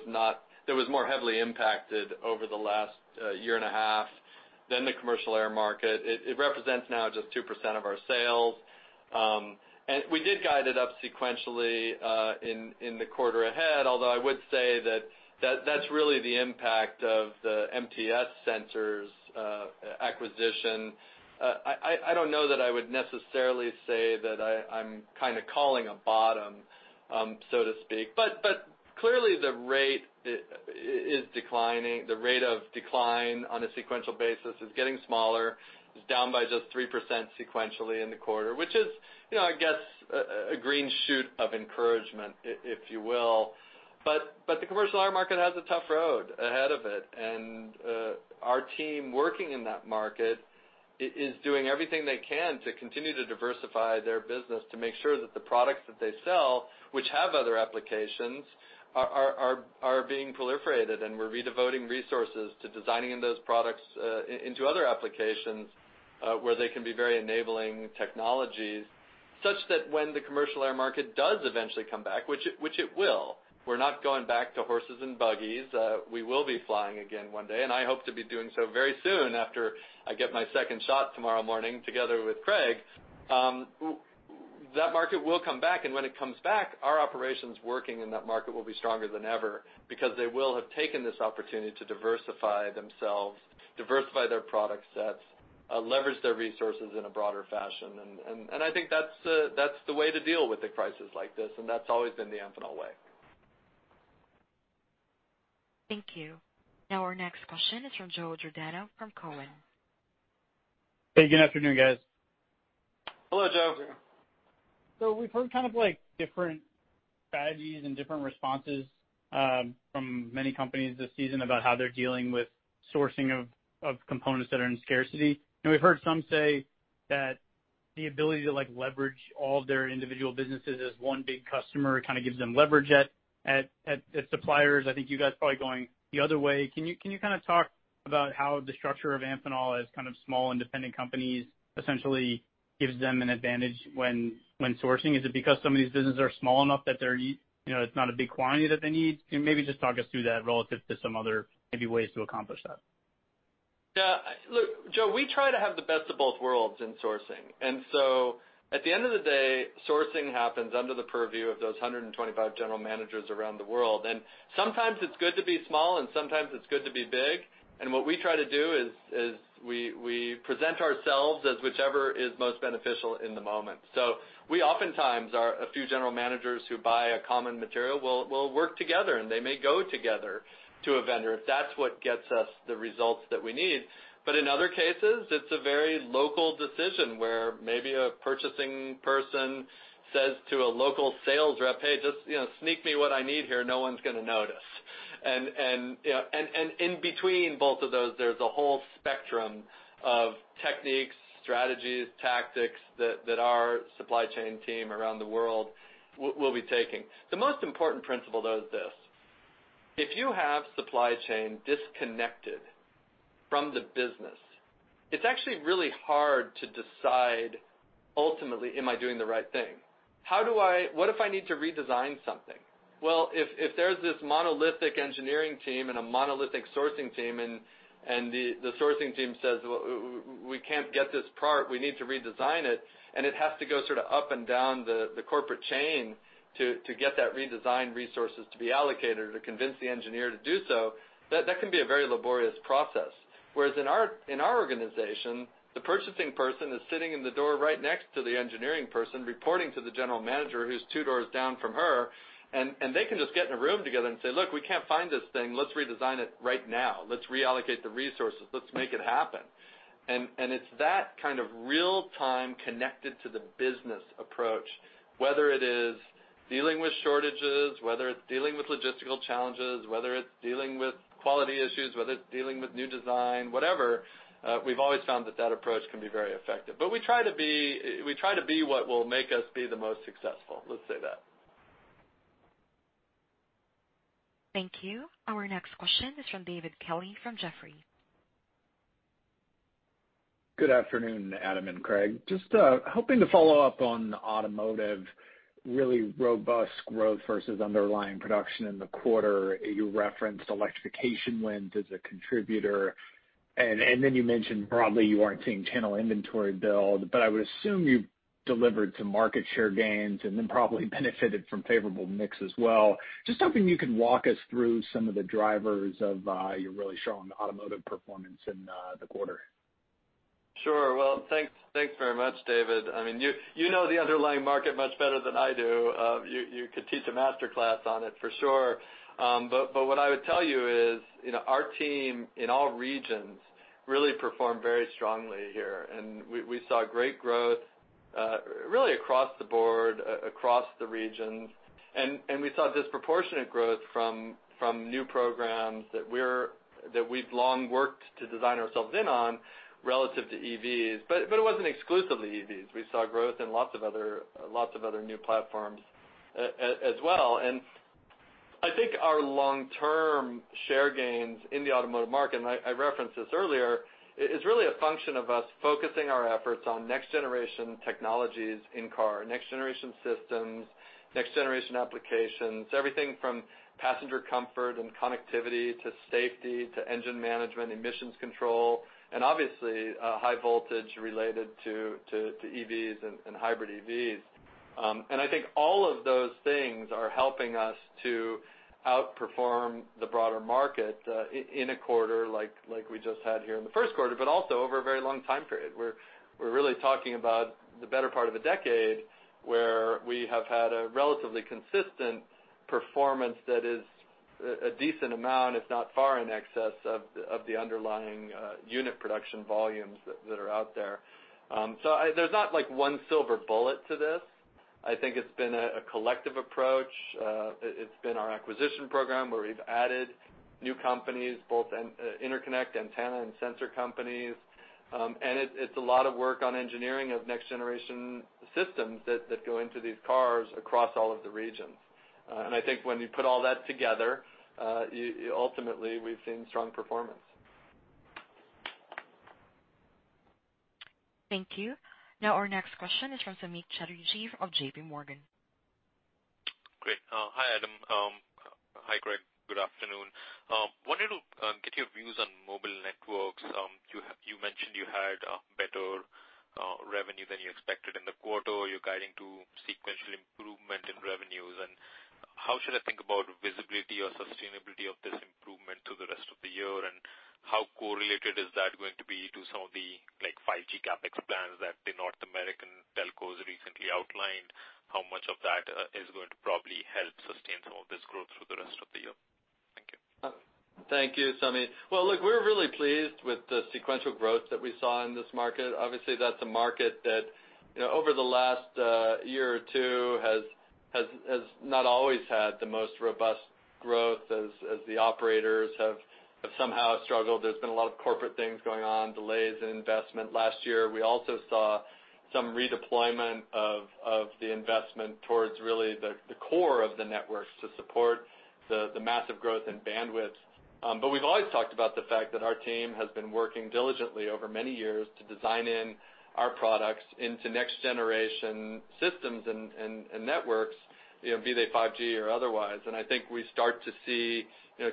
more heavily impacted over the last year and a half than the commercial air market. It represents now just 2% of our sales. We did guide it up sequentially, in the quarter ahead, although I would say that's really the impact of the MTS Sensors acquisition. I don't know that I would necessarily say that I'm kind of calling a bottom, so to speak. Clearly, the rate is declining. The rate of decline on a sequential basis is getting smaller. It's down by just 3% sequentially in the quarter, which is, I guess, a green shoot of encouragement, if you will. The commercial air market has a tough road ahead of it. Our team working in that market is doing everything they can to continue to diversify their business to make sure that the products that they sell, which have other applications, are being proliferated. We're re-devoting resources to designing those products into other applications where they can be very enabling technologies, such that when the commercial air market does eventually come back, which it will, we're not going back to horses and buggies. We will be flying again one day, and I hope to be doing so very soon after I get my second shot tomorrow morning together with Craig. That market will come back, and when it comes back, our operations working in that market will be stronger than ever because they will have taken this opportunity to diversify themselves, diversify their product sets, leverage their resources in a broader fashion. I think that's the way to deal with the prices like this, and that's always been the Amphenol way. Thank you. Our next question is from Joe Giordano from Cowen. Hey, good afternoon, guys. Hello, Joe. We've heard kind of different strategies and different responses from many companies this season about how they're dealing with sourcing of components that are in scarcity. We've heard some say that the ability to leverage all their individual businesses as one big customer kind of gives them leverage at suppliers. I think you guys are probably going the other way. Can you kind of talk about how the structure of Amphenol as kind of small independent companies essentially gives them an advantage when sourcing? Is it because some of these businesses are small enough that it's not a big quantity that they need? Can you maybe just talk us through that relative to some other maybe ways to accomplish that? Yeah. Look, Joe, we try to have the best of both worlds in sourcing. At the end of the day, sourcing happens under the purview of those 125 general managers around the world. Sometimes it's good to be small and sometimes it's good to be big. What we try to do is we present ourselves as whichever is most beneficial in the moment. We oftentimes are a few general managers who buy a common material, we'll work together, and they may go together to a vendor if that's what gets us the results that we need. In other cases, it's a very local decision where maybe a purchasing person says to a local sales rep, "Hey, just sneak me what I need here. No one's going to notice. In between both of those, there's a whole spectrum of techniques, strategies, tactics that our supply chain team around the world will be taking. The most important principle, though, is this: if you have supply chain disconnected from the business, it's actually really hard to decide ultimately, am I doing the right thing? What if I need to redesign something? Well, if there's this monolithic engineering team and a monolithic sourcing team, and the sourcing team says, "We can't get this part. We need to redesign it," and it has to go sort of up and down the corporate chain to get that redesign resources to be allocated or to convince the engineer to do so, that can be a very laborious process. Whereas in our organization, the purchasing person is sitting in the door right next to the engineering person, reporting to the general manager who's two doors down from her, they can just get in a room together and say, "Look, we can't find this thing. Let's redesign it right now. Let's reallocate the resources. Let's make it happen." It's that kind of real-time connected to the business approach, whether it is dealing with shortages, whether it's dealing with logistical challenges, whether it's dealing with quality issues, whether it's dealing with new design, whatever, we've always found that that approach can be very effective. We try to be what will make us be the most successful, let's say that. Thank you. Our next question is from David Kelley from Jefferies. Good afternoon, Adam Norwitt and Craig Lampo. Hoping to follow up on automotive, really robust growth versus underlying production in the quarter. You referenced electrification wins as a contributor, and then you mentioned broadly you aren't seeing channel inventory build, but I would assume you've delivered some market share gains and then probably benefited from favorable mix as well. Hoping you could walk us through some of the drivers of your really strong automotive performance in the quarter. Sure. Well, thanks very much, David. You know the underlying market much better than I do. You could teach a master class on it for sure. What I would tell you is, our team in all regions really performed very strongly here, and we saw great growth, really across the board, across the regions, and we saw disproportionate growth from new programs that we've long worked to design ourselves in on relative to EVs. It wasn't exclusively EVs. We saw growth in lots of other new platforms as well. I think our long-term share gains in the automotive market, and I referenced this earlier, is really a function of us focusing our efforts on next-generation technologies in car, next-generation systems, next-generation applications, everything from passenger comfort and connectivity to safety, to engine management, emissions control, and obviously, high voltage related to EVs and hybrid EVs. I think all of those things are helping us to outperform the broader market, in a quarter like we just had here in the first quarter, but also over a very long time period, where we're really talking about the better part of a decade, where we have had a relatively consistent performance that is a decent amount, if not far in excess of the underlying unit production volumes that are out there. There's not one silver bullet to this. I think it's been a collective approach. It's been our acquisition program, where we've added new companies, both interconnect, antenna, and sensor companies. It's a lot of work on engineering of next-generation systems that go into these cars across all of the regions. I think when you put all that together, ultimately, we've seen strong performance. Thank you. Now, our next question is from Samik Chatterjee of JPMorgan. Great. Hi, Adam. Hi, Craig. Good afternoon. Wanted to get your views on mobile networks. You mentioned you had better revenue than you expected in the quarter. You're guiding to sequential improvement in revenues. How should I think about visibility or sustainability of this improvement through the rest of the year, and how correlated is that going to be to some of the 5G CapEx plans that the North American telcos recently outlined? How much of that is going to probably help sustain some of this growth through the rest of the year? Thank you. Thank you, Samik. Well, look, we're really pleased with the sequential growth that we saw in this market. Obviously, that's a market that over the last year or two has not always had the most robust growth as the operators have somehow struggled. There's been a lot of corporate things going on, delays in investment. Last year, we also saw some redeployment of the investment towards really the core of the networks to support the massive growth in bandwidth. But we've always talked about the fact that our team has been working diligently over many years to design in our products into next-generation systems and networks, be they 5G or otherwise. And I think we start to see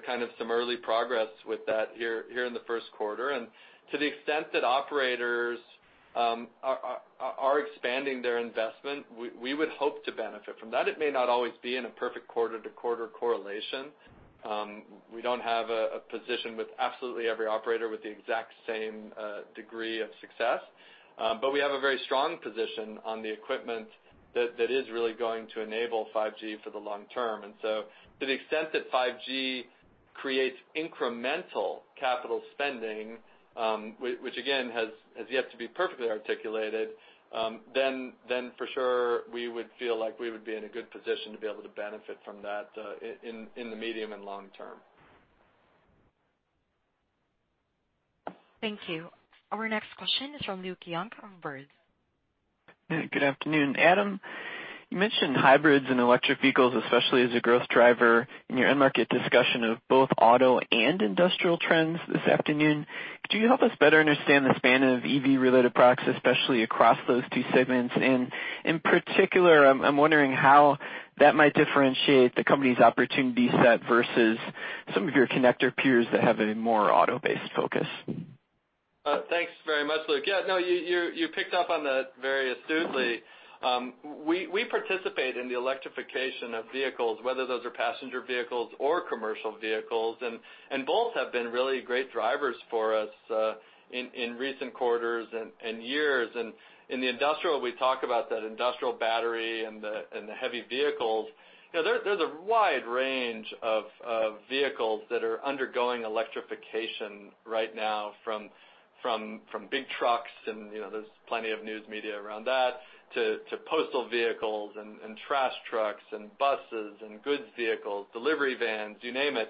kind of some early progress with that here in the first quarter. And to the extent that operators are expanding their investment, we would hope to benefit from that. It may not always be in a perfect quarter to quarter correlation. We don't have a position with absolutely every operator with the exact same degree of success. We have a very strong position on the equipment that is really going to enable 5G for the long term. To the extent that 5G creates incremental capital spending, which again has yet to be perfectly articulated, then for sure, we would feel like we would be in a good position to be able to benefit from that in the medium and long term. Thank you. Our next question is from Luke Junk of Baird. Good afternoon. Adam, you mentioned hybrids and electric vehicles, especially as a growth driver in your end market discussion of both auto and industrial trends this afternoon. Could you help us better understand the span of EV-related products, especially across those two segments? In particular, I'm wondering how that might differentiate the company's opportunity set versus some of your connector peers that have a more auto-based focus. Thanks very much, Luke. Yeah, no, you picked up on that very astutely. We participate in the electrification of vehicles, whether those are passenger vehicles or commercial vehicles, and both have been really great drivers for us, in recent quarters and years. In the industrial, we talk about that industrial battery and the heavy vehicles. There's a wide range of vehicles that are undergoing electrification right now, from big trucks, and there's plenty of news media around that, to postal vehicles and trash trucks and buses and goods vehicles, delivery vans, you name it.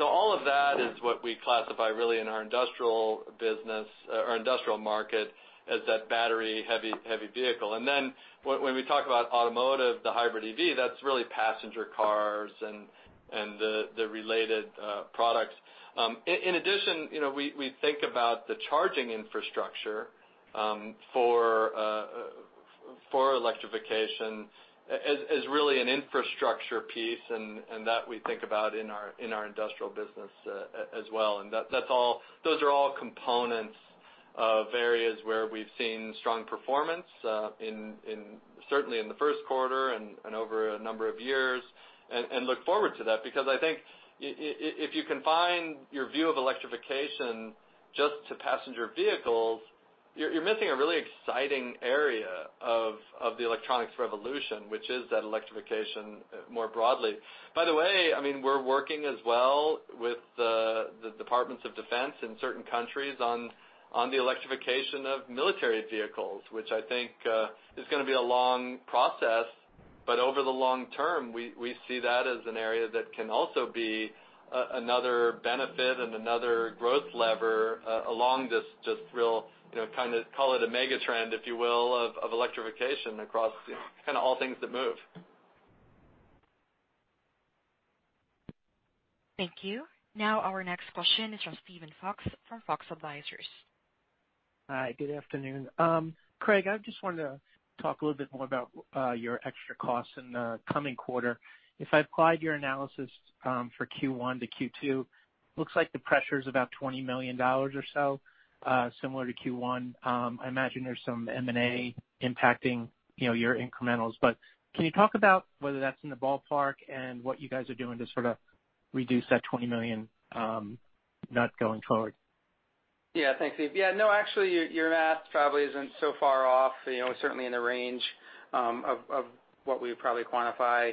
All of that is what we classify really in our industrial business or industrial market as that battery heavy vehicle. Then when we talk about automotive, the hybrid EV, that's really passenger cars and the related products. In addition, we think about the charging infrastructure for electrification as really an infrastructure piece. That we think about in our industrial business as well. Those are all components of areas where we've seen strong performance certainly in the first quarter and over a number of years. Look forward to that. I think if you confine your view of electrification just to passenger vehicles, you're missing a really exciting area of the electronics revolution, which is that electrification more broadly. By the way, we're working as well with the departments of defense in certain countries on the electrification of military vehicles, which I think is going to be a long process, but over the long term, we see that as an area that can also be another benefit and another growth lever along this just real kind of call it a mega trend, if you will, of electrification across kind of all things that move. Thank you. Our next question is from Steven Fox from Fox Advisors. Hi, good afternoon. Craig, I just wanted to talk a little bit more about your extra costs in the coming quarter. If I applied your analysis for Q1 to Q2, looks like the pressure's about $20 million or so, similar to Q1. I imagine there's some M&A impacting your incrementals. Can you talk about whether that's in the ballpark and what you guys are doing to sort of reduce that $20 million not going forward? Thanks, Steven. Actually, your math probably isn't so far off, certainly in the range of what we would probably quantify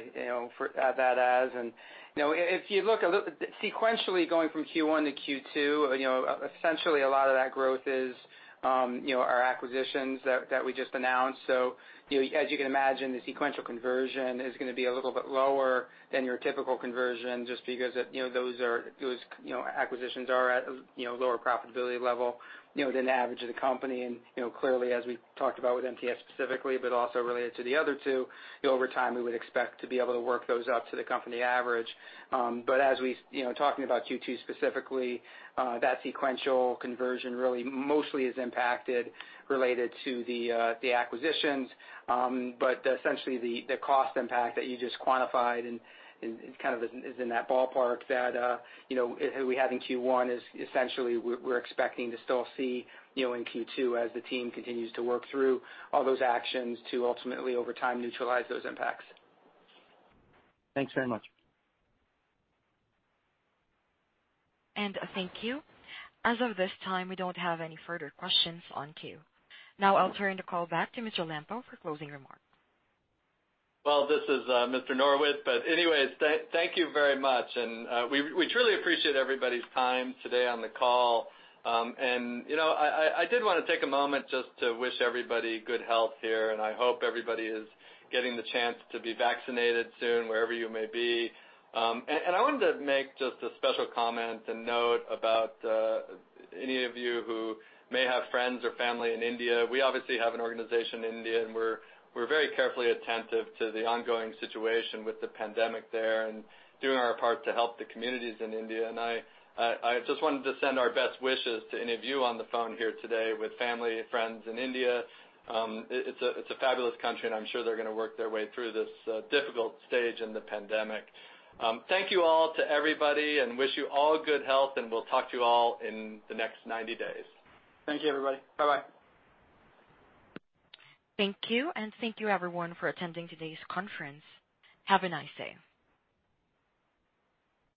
that as. If you look sequentially going from Q1 to Q2, essentially a lot of that growth is our acquisitions that we just announced. As you can imagine, the sequential conversion is going to be a little bit lower than your typical conversion just because those acquisitions are at lower profitability level than the average of the company. Clearly, as we talked about with MTS specifically, but also related to the other two, over time, we would expect to be able to work those up to the company average. Talking about Q2 specifically, that sequential conversion really mostly is impacted related to the acquisitions. Essentially the cost impact that you just quantified and kind of is in that ballpark that we had in Q1 is essentially we're expecting to still see in Q2 as the team continues to work through all those actions to ultimately over time neutralize those impacts. Thanks very much. Thank you. As of this time, we don't have any further questions on queue. I'll turn the call back to Mr. Lampo for closing remarks. Well, this is Mr. Norwitt. Anyways, thank you very much, and we truly appreciate everybody's time today on the call. I did want to take a moment just to wish everybody good health here, and I hope everybody is getting the chance to be vaccinated soon, wherever you may be. I wanted to make just a special comment and note about any of you who may have friends or family in India. We obviously have an organization in India, and we're very carefully attentive to the ongoing situation with the pandemic there and doing our part to help the communities in India. I just wanted to send our best wishes to any of you on the phone here today with family, friends in India. It's a fabulous country, and I'm sure they're going to work their way through this difficult stage in the pandemic. Thank you all to everybody and wish you all good health, and we'll talk to you all in the next 90 days. Thank you, everybody. Bye-bye. Thank you, and thank you everyone for attending today's conference. Have a nice day.